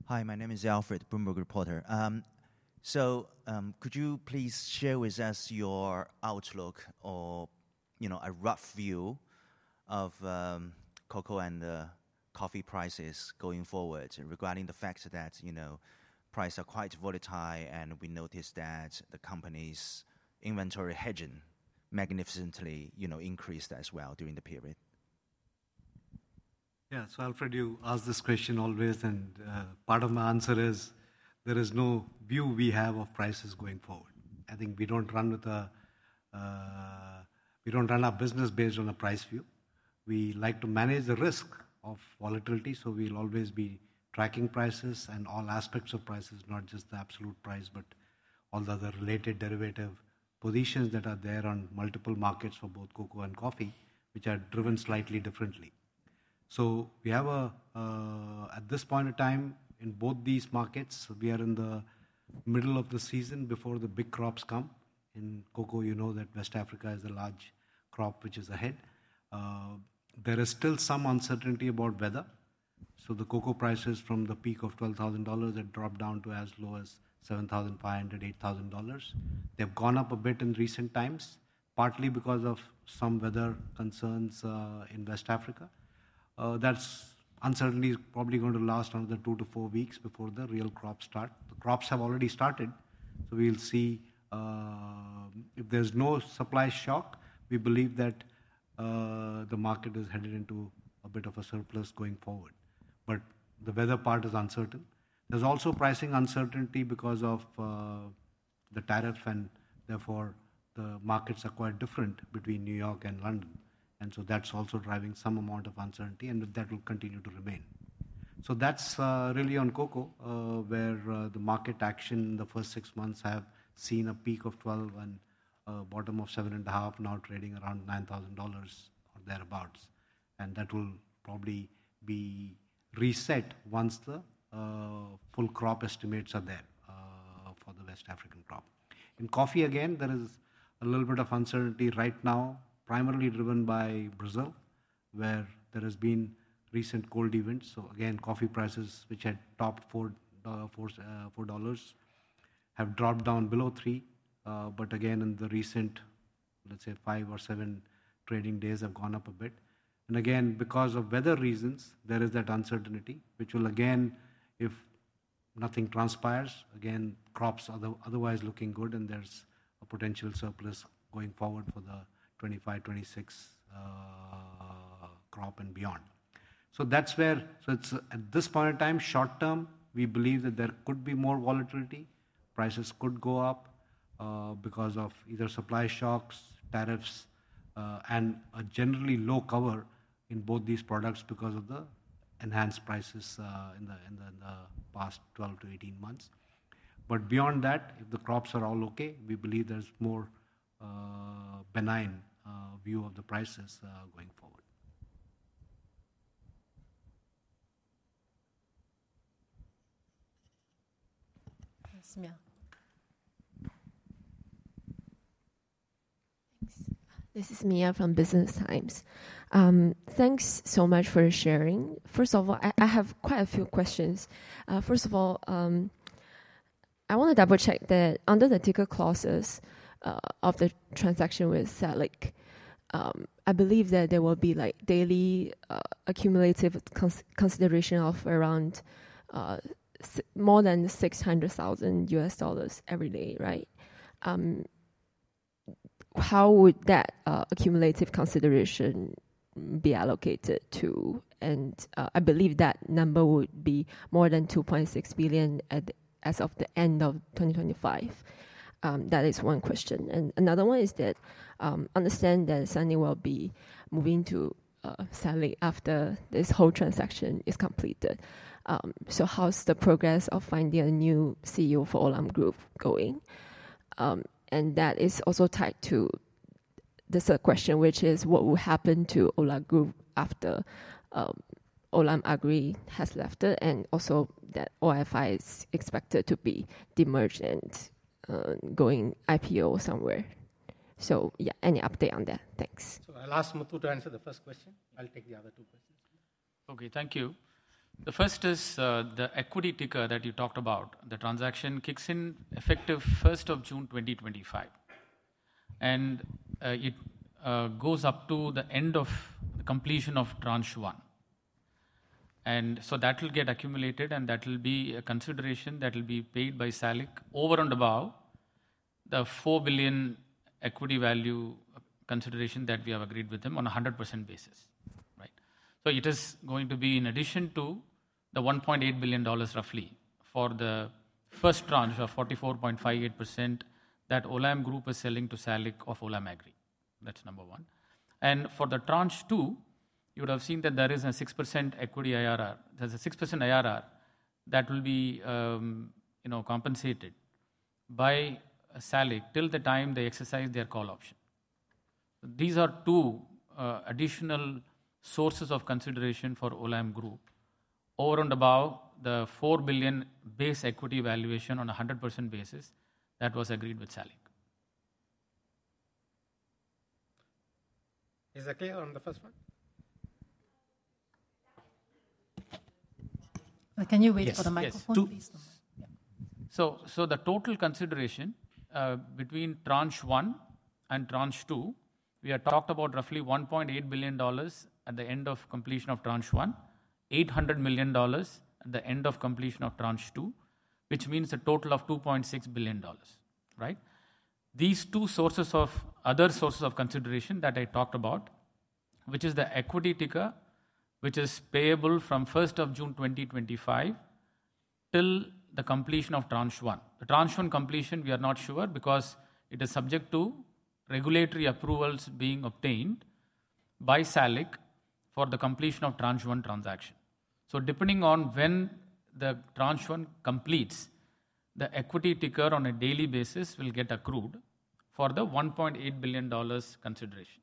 Hi, my name is Alfred, Bloomberg Reporter. Could you please share with us your outlook or a rough view of cocoa and the coffee prices going forward regarding the fact that prices are quite volatile, and we noticed that the company's inventory hedging magnificently increased as well during the period? Yeah, Alfred, you ask this question always, and part of my answer is there is no view we have of prices going forward. I think we don't run our business based on a price view. We like to manage the risk of volatility, so we'll always be tracking prices and all aspects of prices, not just the absolute price, but all the other related derivative positions that are there on multiple markets for both cocoa and coffee, which are driven slightly differently. At this point of time, in both these markets, we are in the middle of the season before the big crops come. In cocoa, you know that West Africa is a large crop which is ahead. There is still some uncertainty about weather. The cocoa prices from the peak of $12,000 had dropped down to as low as $7,500, $8,000. They've gone up a bit in recent times, partly because of some weather concerns in West Africa. That uncertainty is probably going to last another two to four weeks before the real crops start. The crops have already started, so we'll see if there's no supply shock. We believe that the market is headed into a bit of a surplus going forward. The weather part is uncertain. There's also pricing uncertainty because of the tariff, and therefore the markets are quite different between New York and London. That's also driving some amount of uncertainty, and that will continue to remain. That's really on cocoa, where the market action in the first six months has seen a peak of $12,000 and a bottom of $7,500 and now trading around $9,000 or thereabouts. That will probably be reset once the full crop estimates are there for the West African crop. In coffee again, there is a little bit of uncertainty right now, primarily driven by Brazil, where there have been recent cold events. Coffee prices, which had topped $4, have dropped down below $3. In the recent, let's say, five or seven trading days, they have gone up a bit. Because of weather reasons, there is that uncertainty, which will, if nothing transpires, crops are otherwise looking good and there's a potential surplus going forward for the 2025-2026 crop and beyond. At this point in time, short term, we believe that there could be more volatility. Prices could go up because of either supply shocks, tariffs, and a generally low cover in both these products because of the enhanced prices in the past 12-18 months. Beyond that, if the crops are all okay, we believe there's a more benign view of the prices going forward. This is Mia from Business Times. Thanks so much for sharing. First of all, I have quite a few questions. I want to double-check that under the ticker clauses of the transaction with SALIC, I believe that there will be daily accumulative consideration of around more than $600,000 every day, right? How would that accumulative consideration be allocated to? I believe that number would be more than $2.6 billion as of the end of 2025. That is one question. I understand that Sunny will be moving to SALIC after this whole transaction is completed. How's the progress of finding a new CEO for Olam Group going? That is also tied to the third question, which is what will happen to Olam Group after Olam Agri has left it? Also, OFI is expected to be demerged and going IPO somewhere. Any update on that? Thanks. I'll ask Muthu to answer the first question. I'll take the other two questions. Okay, thank you. The first is the equity ticker that you talked about. The transaction kicks in effective June 1st, 2025, and it goes up to the end of the completion of tranche one. That will get accumulated and that will be a consideration that will be paid by SALIC over and above the $4 billion equity value consideration that we have agreed with them on a 100% basis. It is going to be in addition to the $1.8 billion roughly for the first tranche of 44.58% that Olam Group is selling to SALIC of Olam Agri. That's number one. For tranche two, you would have seen that there is a 6% equity IRR. There's a 6% IRR that will be compensated by SALIC till the time they exercise their call option. These are two additional sources of consideration for Olam Group over and above the $4 billion base equity valuation on a 100% basis that was agreed with SALIC. Is that clear on the first one? Can you wait for the microphone, please? The total consideration between tranche one and tranche two, we have talked about roughly $1.8 billion at the end of completion of tranche one, $800 million at the end of completion of tranche two, which means a total of $2.6 billion. These two sources of other sources of consideration that I talked about, which is the equity ticker, which is payable from June 1st, 2025, till the completion of tranche one. The tranche one completion, we are not sure because it is subject to regulatory approvals being obtained by SALIC for the completion of tranche one transaction. Depending on when the tranche one completes, the equity ticker on a daily basis will get accrued for the $1.8 billion consideration.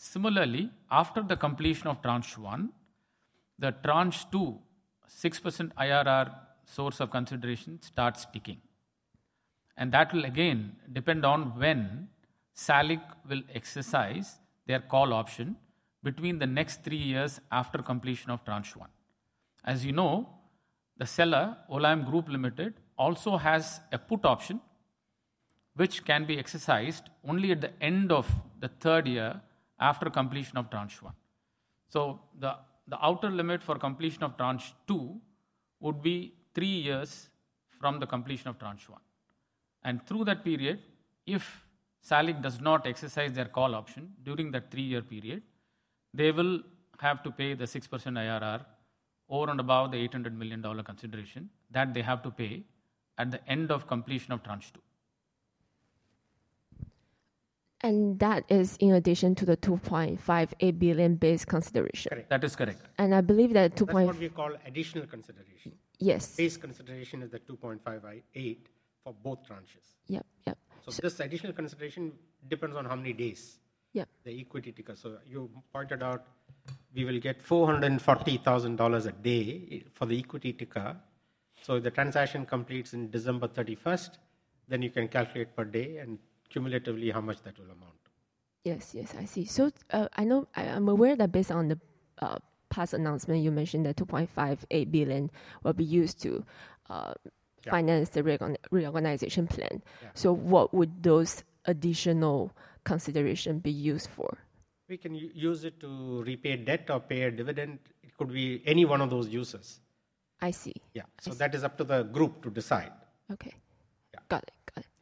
Similarly, after the completion of tranche one, the tranche two 6% IRR source of consideration starts peaking. That will again depend on when SALIC will exercise their call option between the next three years after completion of tranche one. As you know, the seller, Olam Group Limited, also has a put option, which can be exercised only at the end of the third year after completion of tranche one. The outer limit for completion of tranche two would be three years from the completion of tranche one. Through that period, if SALIC does not exercise their call option during that three-year period, they will have to pay the 6% IRR over and above the $800 million consideration that they have to pay at the end of completion of tranche two. That is in addition to the $2.58 billion base consideration? That is correct. I believe that. That's what we call additional consideration. Yes. Base consideration is the $2.58 for both tranches. Yes, yes. This additional consideration depends on how many days. Yes. The equity ticker. You pointed out we will get $440,000 a day for the equity ticker. If the transaction completes on December 31, you can calculate per day and cumulatively how much that will amount. Yes, I see. I know I'm aware that based on the past announcement, you mentioned that $2.58 billion will be used to finance the reorganization plan. What would those additional considerations be used for? We can use it to repay debt or pay a dividend. It could be any one of those uses. I see. That is up to the group to decide. Okay. Yeah. Got it. Got it.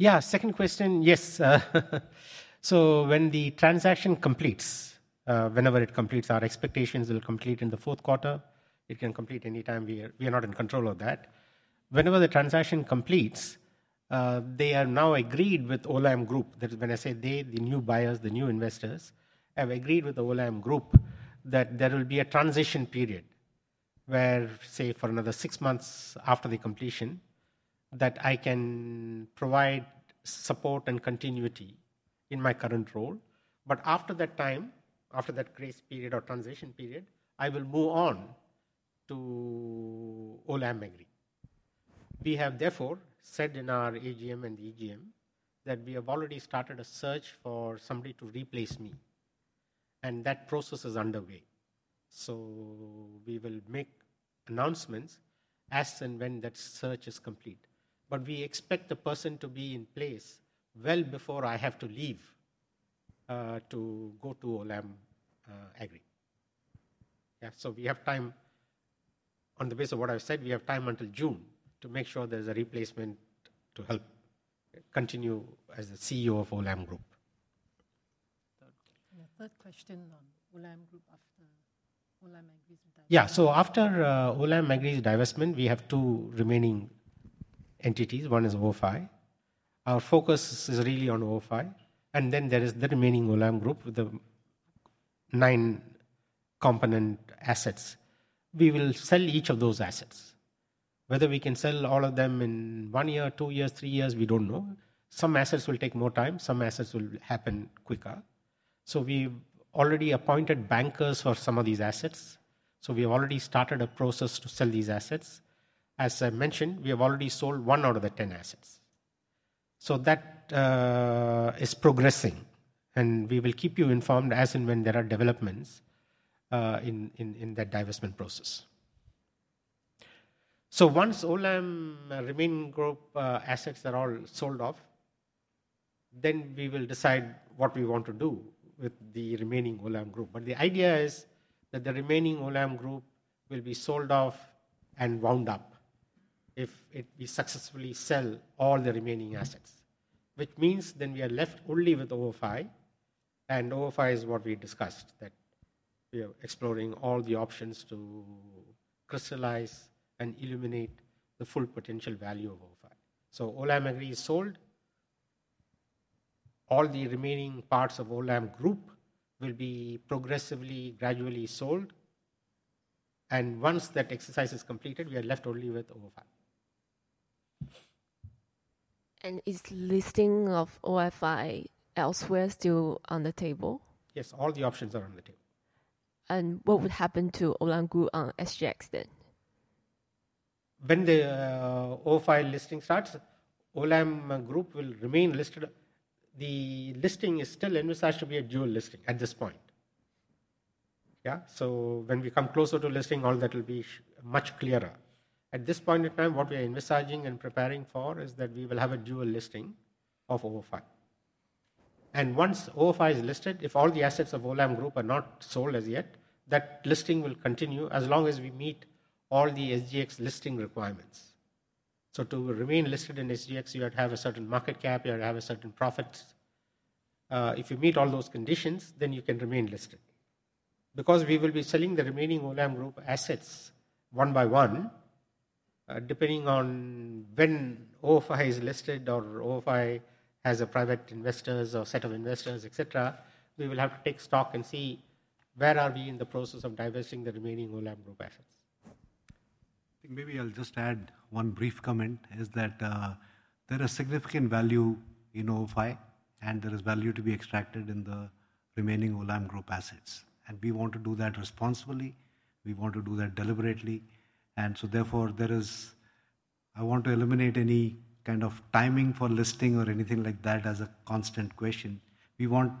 Yeah, second question. Yeah. Second question. Yes. When the transaction completes, whenever it completes, our expectations will complete in the fourth quarter. It can complete anytime. We are not in control of that. Whenever the transaction completes, they are now agreed with Olam Group. When I say they, the new buyers, the new investors have agreed with Olam Group that there will be a transition period where, say, for another six months after the completion, that I can provide support and continuity in my current role. After that time, after that grace period or transition period, I will move on to Olam Agri. We have therefore said in our AGM and the EGM that we have already started a search for somebody to replace me. That process is underway. We will make announcements as and when that search is complete. We expect the person to be in place well before I have to leave to go to Olam Agri. We have time, on the basis of what I've said, we have time until June to make sure there's a replacement to help continue as the CEO of Olam Group. Third question on Olam Group after Olam Agri's divestment. Yeah. After Olam Agri's divestment, we have two remaining entities as one is OFI. Our focus is really on OFI. There is the Remaining Olam Group with the nine component assets. We will sell each of those assets. Whether we can sell all of them in one year, two years, three years, we don't know. Some assets will take more time. Some assets will happen quicker. We've already appointed bankers for some of these assets. We have already started a process to sell these assets. As I mentioned, we have already sold one out of the 10 assets. That is progressing. We will keep you informed as and when there are developments in that divestment process. Once Olam remaining group assets are all sold off, we will decide what we want to do with the Remaining Olam Group. The idea is that the Remaining Olam Group will be sold off and wound up if we successfully sell all the remaining assets, which means then we are left only with OFI. OFI is what we discussed, that we are exploring all the options to crystallize and illuminate the full potential value of OFI. Olam Agri is sold. All the remaining parts of Olam Group will be progressively, gradually sold. Once that exercise is completed, we are left only with OFI. Is the listing of OFI elsewhere still on the table? Yes, all the options are on the table. What would happen to Olam Group SGX then? When the OFI listing starts, Olam Group will remain listed. The listing is still in research to be a dual listing at this point. Yeah. When we come closer to listing, all that will be much clearer. At this point in time, what we are researching and preparing for is that we will have a dual listing of OFI. Once OFI is listed, if all the assets of Olam Group are not sold as yet, that listing will continue as long as we meet all the SGX listing requirements. To remain listed in SGX, you have to have a certain market cap. You have to have a certain profit. If you meet all those conditions, then you can remain listed. We will be selling the Remaining Olam Group assets one by one, depending on when OFI is listed or OFI has private investors or set of investors, et cetera, we will have to take stock and see where are we in the process of divesting the Remaining Olam Group assets. Maybe I'll just add one brief comment, that there is significant value in OFI, and there is value to be extracted in the Remaining Olam Group assets. We want to do that responsibly. We want to do that deliberately. Therefore, I want to eliminate any kind of timing for listing or anything like that as a constant question. We want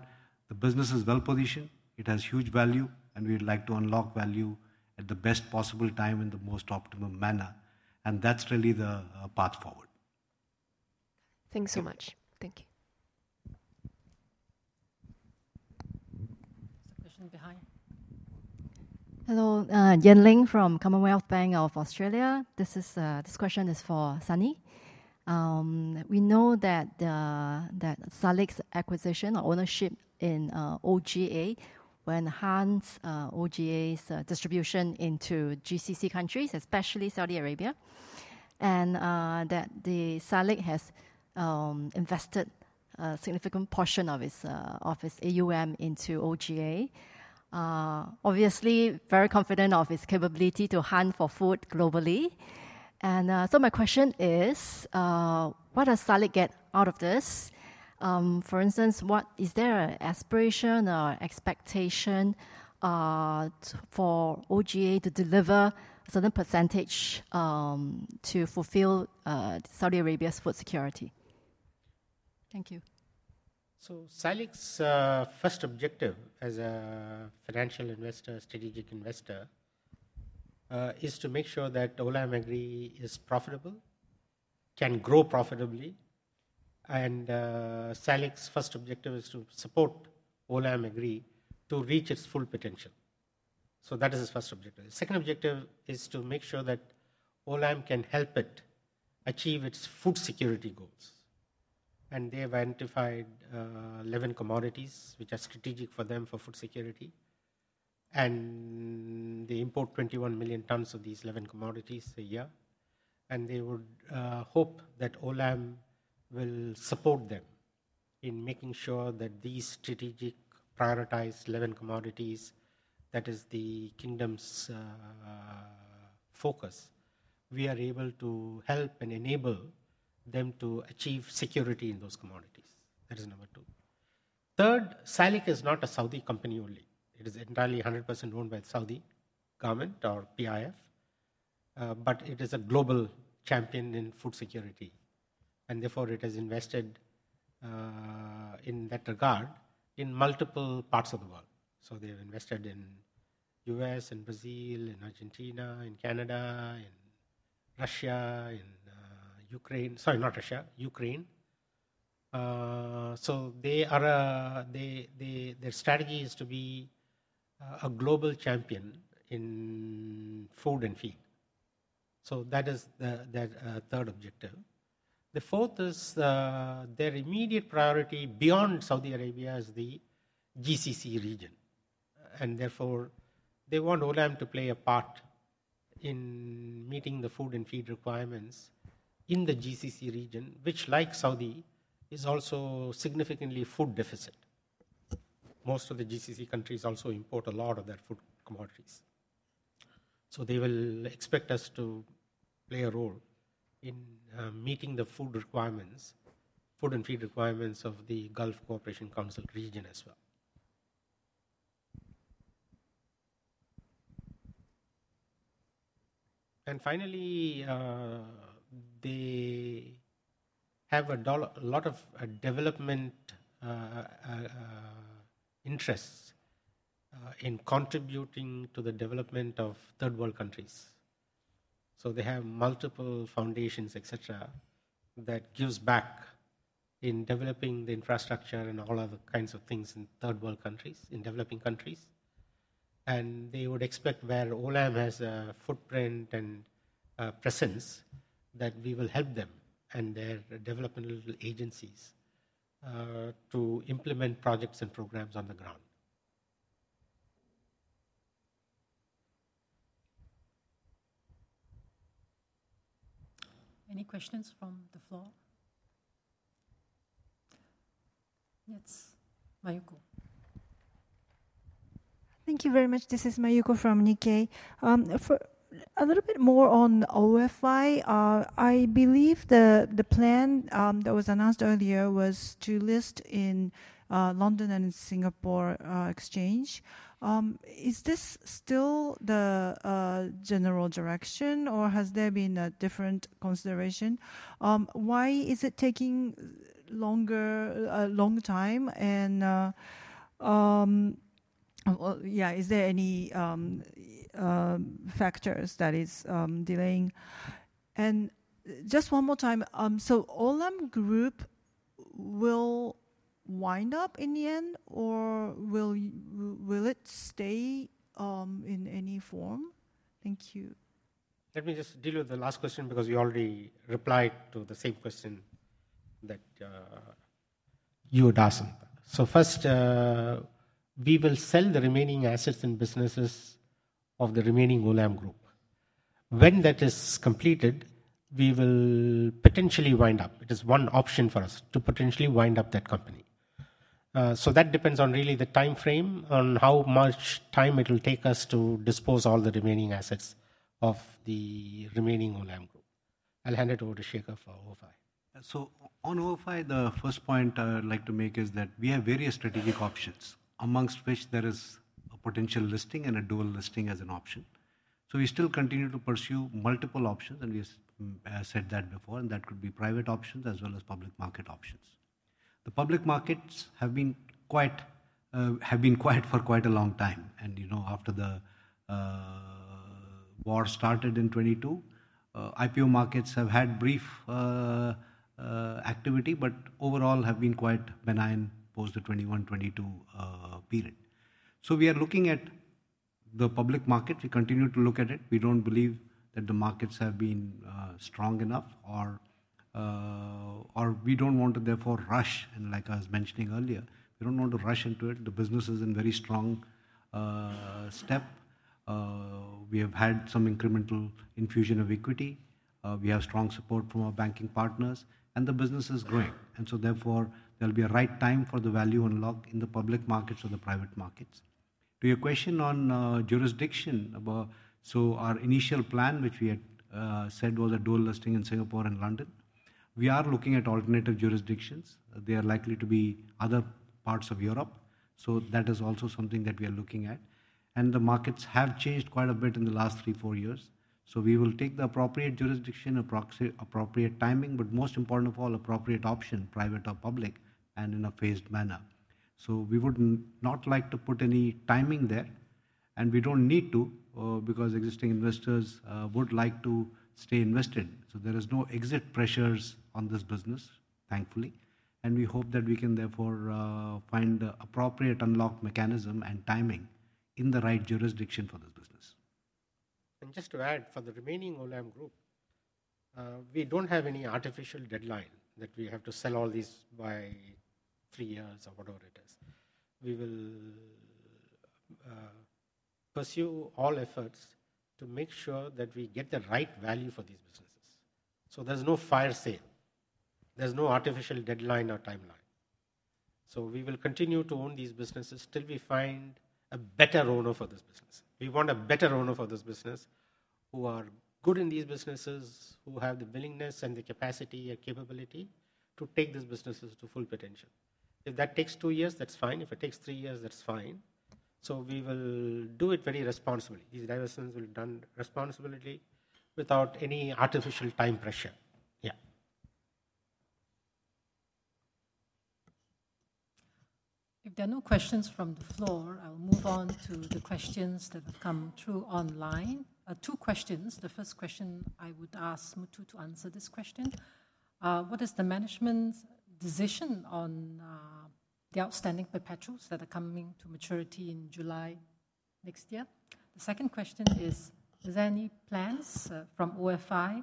the business is well positioned. It has huge value, and we would like to unlock value at the best possible time in the most optimal manner. That's really the path forward. Thanks so much. Thank you. There's a question behind? Hello. Yan Ling from Commonwealth Bank of Australia. This question is for Sunny. We know that SALIC's acquisition or ownership in OGA will enhance OGA's distribution into GCC countries, especially Saudi Arabia, and that SALIC has invested a significant portion of its AUM into OGA. Obviously, very confident of its capability to hunt for food globally. My question is, what does SALIC get out of this? For instance, is there an aspiration or expectation for OGA to deliver a certain percentage to fulfill Saudi Arabia's food security? Thank you. SALIC's first objective as a financial investor, strategic investor, is to make sure that Olam Agri is profitable and can grow profitably. SALIC's first objective is to support Olam Agri to reach its full potential. That is its first objective. The second objective is to make sure that Olam can help it achieve its food security goals. They have identified 11 commodities, which are strategic for them for food security. They import 21 million tons of these 11 commodities a year. They would hope that Olam will support them in making sure that these strategic prioritized 11 commodities, that is the Kingdom's focus, we are able to help and enable them to achieve security in those commodities. That is number two. Third, SALIC is not a Saudi company only. It is entirely 100% owned by the Saudi government or PIF, but it is a global champion in food security. Therefore, it has invested in that regard in multiple parts of the world. They have invested in the U.S., in Brazil, in Argentina, in Canada, Russia, in Ukraine. Sorry, not in Russia, in Ukraine. Their strategy is to be a global champion in food and feed. That is their third objective. The fourth is their immediate priority beyond Saudi Arabia is the GCC region. Therefore, they want Olam to play a part in meeting the food and feed requirements in the GCC region, which, like Saudi, is also significantly food deficient. Most of the GCC countries also import a lot of their food commodities. They will expect us to play a role in meeting the food requirements, food and feed requirements of the Gulf Cooperation Council region as well. Finally, they have a lot of development interests in contributing to the development of third-world countries. They have multiple foundations, et cetera, that gives back in developing the infrastructure and all other kinds of things in third-world countries, in developing countries. They would expect where Olam has a footprint and a presence that we will help them and their developmental agencies to implement projects and programs on the ground. Any questions from the floor? Yes, Mayuko. Thank you very much. This is Mayuko from Nikkei. A little bit more on OFI. I believe the plan that was announced earlier was to list in London and Singapore Exchange. Is this still the general direction, or has there been a different consideration? Why is it taking a long time? Are there any factors that are delaying? Just one more time, will Olam Group wind up in the end, or will it stay in any form? Thank you. Let me just deal with the last question because you already replied to the same question that you had asked. First, we will sell the remaining assets and businesses of the Remaining Olam Group. When that is completed, we will potentially wind up. It is one option for us to potentially wind up that company. That depends on really the time frame, on how much time it will take us to dispose of all the remaining assets of the Remaining Olam Group. I'll hand it over to Shekhar for OFI. On OFI, the first point I'd like to make is that we have various strategic options, amongst which there is a potential listing and a dual listing as an option. We still continue to pursue multiple options, and we have said that before, and that could be private options as well as public market options. The public markets have been quiet for quite a long time. You know after the war started in 2022, IPO markets have had brief activity, but overall have been quite benign post the 2021-2022 period. We are looking at the public market. We continue to look at it. We don't believe that the markets have been strong enough, or we don't want to therefore rush. Like I was mentioning earlier, we don't want to rush into it. The business is in very strong step. We have had some incremental infusion of equity. We have strong support from our banking partners, and the business is growing. Therefore, there will be a right time for the value unlock in the public markets or the private markets. To your question on jurisdiction, our initial plan, which we had said, was a dual listing in Singapore and London. We are looking at alternative jurisdictions. They are likely to be other parts of Europe. That is also something that we are looking at. The markets have changed quite a bit in the last three or four years. We will take the appropriate jurisdiction, appropriate timing, but most important of all, appropriate option, private or public, and in a phased manner. We would not like to put any timing there, and we don't need to because existing investors would like to stay invested. There are no exit pressures on this business, thankfully. We hope that we can therefore find the appropriate unlock mechanism and timing in the right jurisdiction for this business. Just to add, for the Remaining Olam Group, we don't have any artificial deadline that we have to sell all these by three years or whatever it is. We will pursue all efforts to make sure that we get the right value for these businesses. There is no fire sale. There is no artificial deadline or timeline. We will continue to own these businesses till we find a better owner for this business. We want a better owner for this business who are good in these businesses, who have the willingness and the capacity and capability to take these businesses to full potential. If that takes two years, that's fine. If it takes three years, that's fine. We will do it very responsibly. These divestments will be done responsibly without any artificial time pressure. Yeah. If there are no questions from the floor, I will move on to the questions that have come through online. Two questions. The first question, I would ask Muthu to answer this question. What is the management's decision on the outstanding perpetuals that are coming to maturity in July next year? The second question is, is there any plans from OFI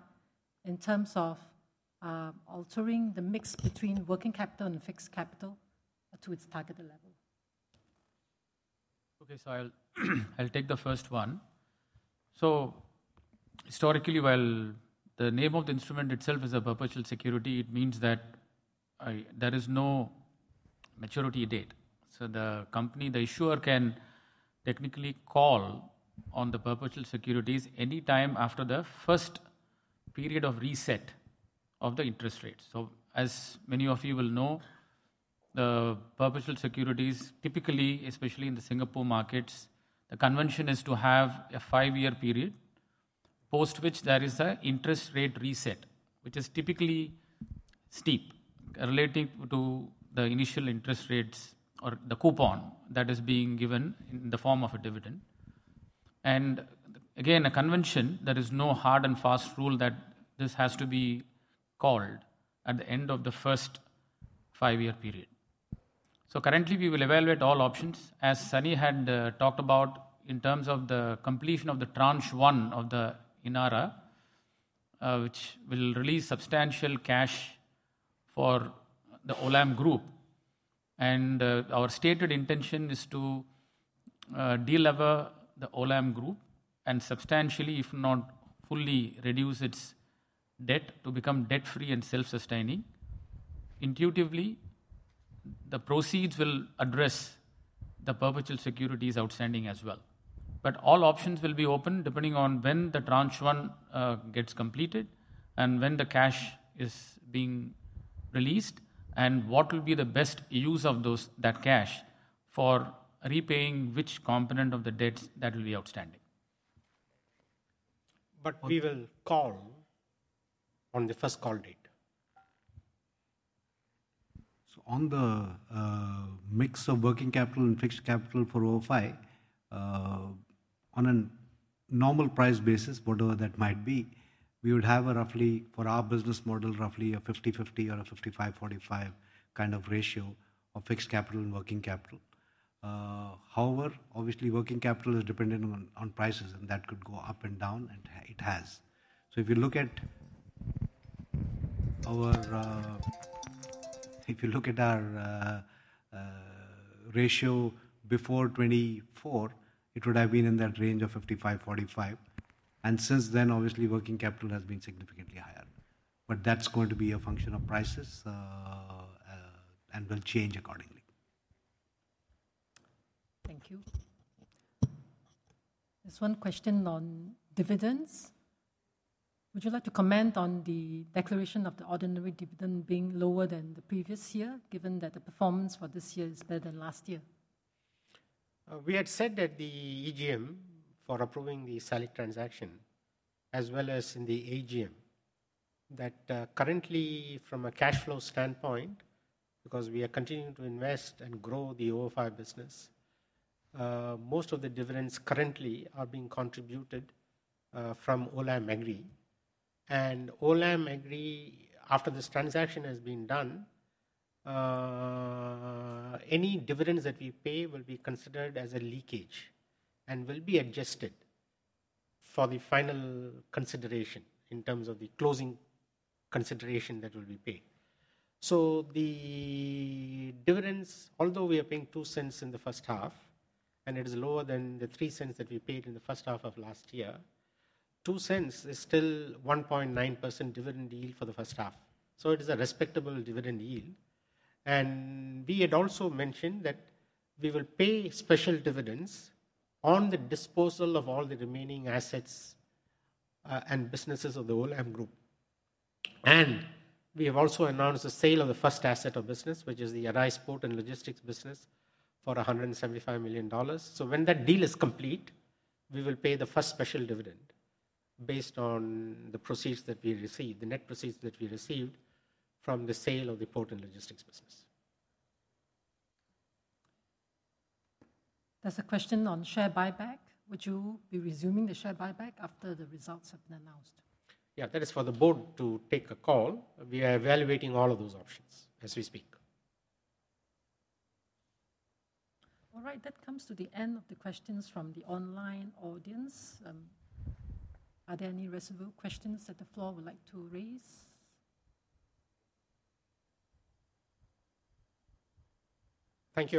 in terms of altering the mix between working capital and fixed capital to its target level? Okay, I'll take the first one. Historically, while the name of the instrument itself is a perpetual security, it means that there is no maturity date. The company, the issuer, can technically call on the perpetual securities anytime after the first period of reset of the interest rate. As many of you will know, the perpetual securities typically, especially in the Singapore markets, the convention is to have a five-year period, post which there is an interest rate reset, which is typically steep, relative to the initial interest rates or the coupon that is being given in the form of a dividend. A convention, there is no hard and fast rule that this has to be called at the end of the first five-year period. Currently, we will evaluate all options, as Sunny had talked about, in terms of the completion of the tranche one of the INARA, which will release substantial cash for the Olam Group. Our stated intention is to deliver the Olam Group and substantially, if not fully, reduce its debt to become debt-free and self-sustaining. Intuitively, the proceeds will address the perpetual securities outstanding as well. All options will be open depending on when the tranche one gets completed and when the cash is being released and what will be the best use of that cash for repaying which component of the debts that will be outstanding. We will call on the first call date. On the mix of working capital and fixed capital for OFI, on a normal price basis, whatever that might be, we would have a roughly, for our business model, roughly a 50-50 or a 55-45 kind of ratio of fixed capital and working capital. Obviously, working capital is dependent on prices, and that could go up and down, and it has. If you look at our ratio before 2024, it would have been in that range of 55-45. Since then, working capital has been significantly higher. That's going to be a function of prices and will change accordingly. Thank you. There's one question on dividends. Would you like to comment on the declaration of the ordinary dividend being lower than the previous year, given that the performance for this year is better than last year? We had said that the EGM for approving the SALIC transaction, as well as in the AGM, that currently, from a cash flow standpoint, because we are continuing to invest and grow the OFI business, most of the dividends currently are being contributed from Olam Agri. Olam Agri, after this transaction has been done, any dividends that we pay will be considered as a leakage and will be adjusted for the final consideration in terms of the closing consideration that will be paid. The dividends, although we are paying $0.02 in the first half, and it is lower than the $0.03 that we paid in the first half of last year, $0.02 is still a 1.9% dividend yield for the first half. It is a respectable dividend yield. We had also mentioned that we will pay special dividends on the disposal of all the remaining assets and businesses of the Olam Group. We have also announced the sale of the first asset or business, which is the Arai Port and Logistics business, for $175 million. When that deal is complete, we will pay the first special dividend based on the proceeds that we received, the net proceeds that we received from the sale of the port and logistics business. There's a question on share buyback. Would you be resuming the share buyback after the results have been announced? That is for the board to take a call. We are evaluating all of those options as we speak. All right. That comes to the end of the questions from the online audience. Are there any residual questions that the floor would like to raise? Thank you.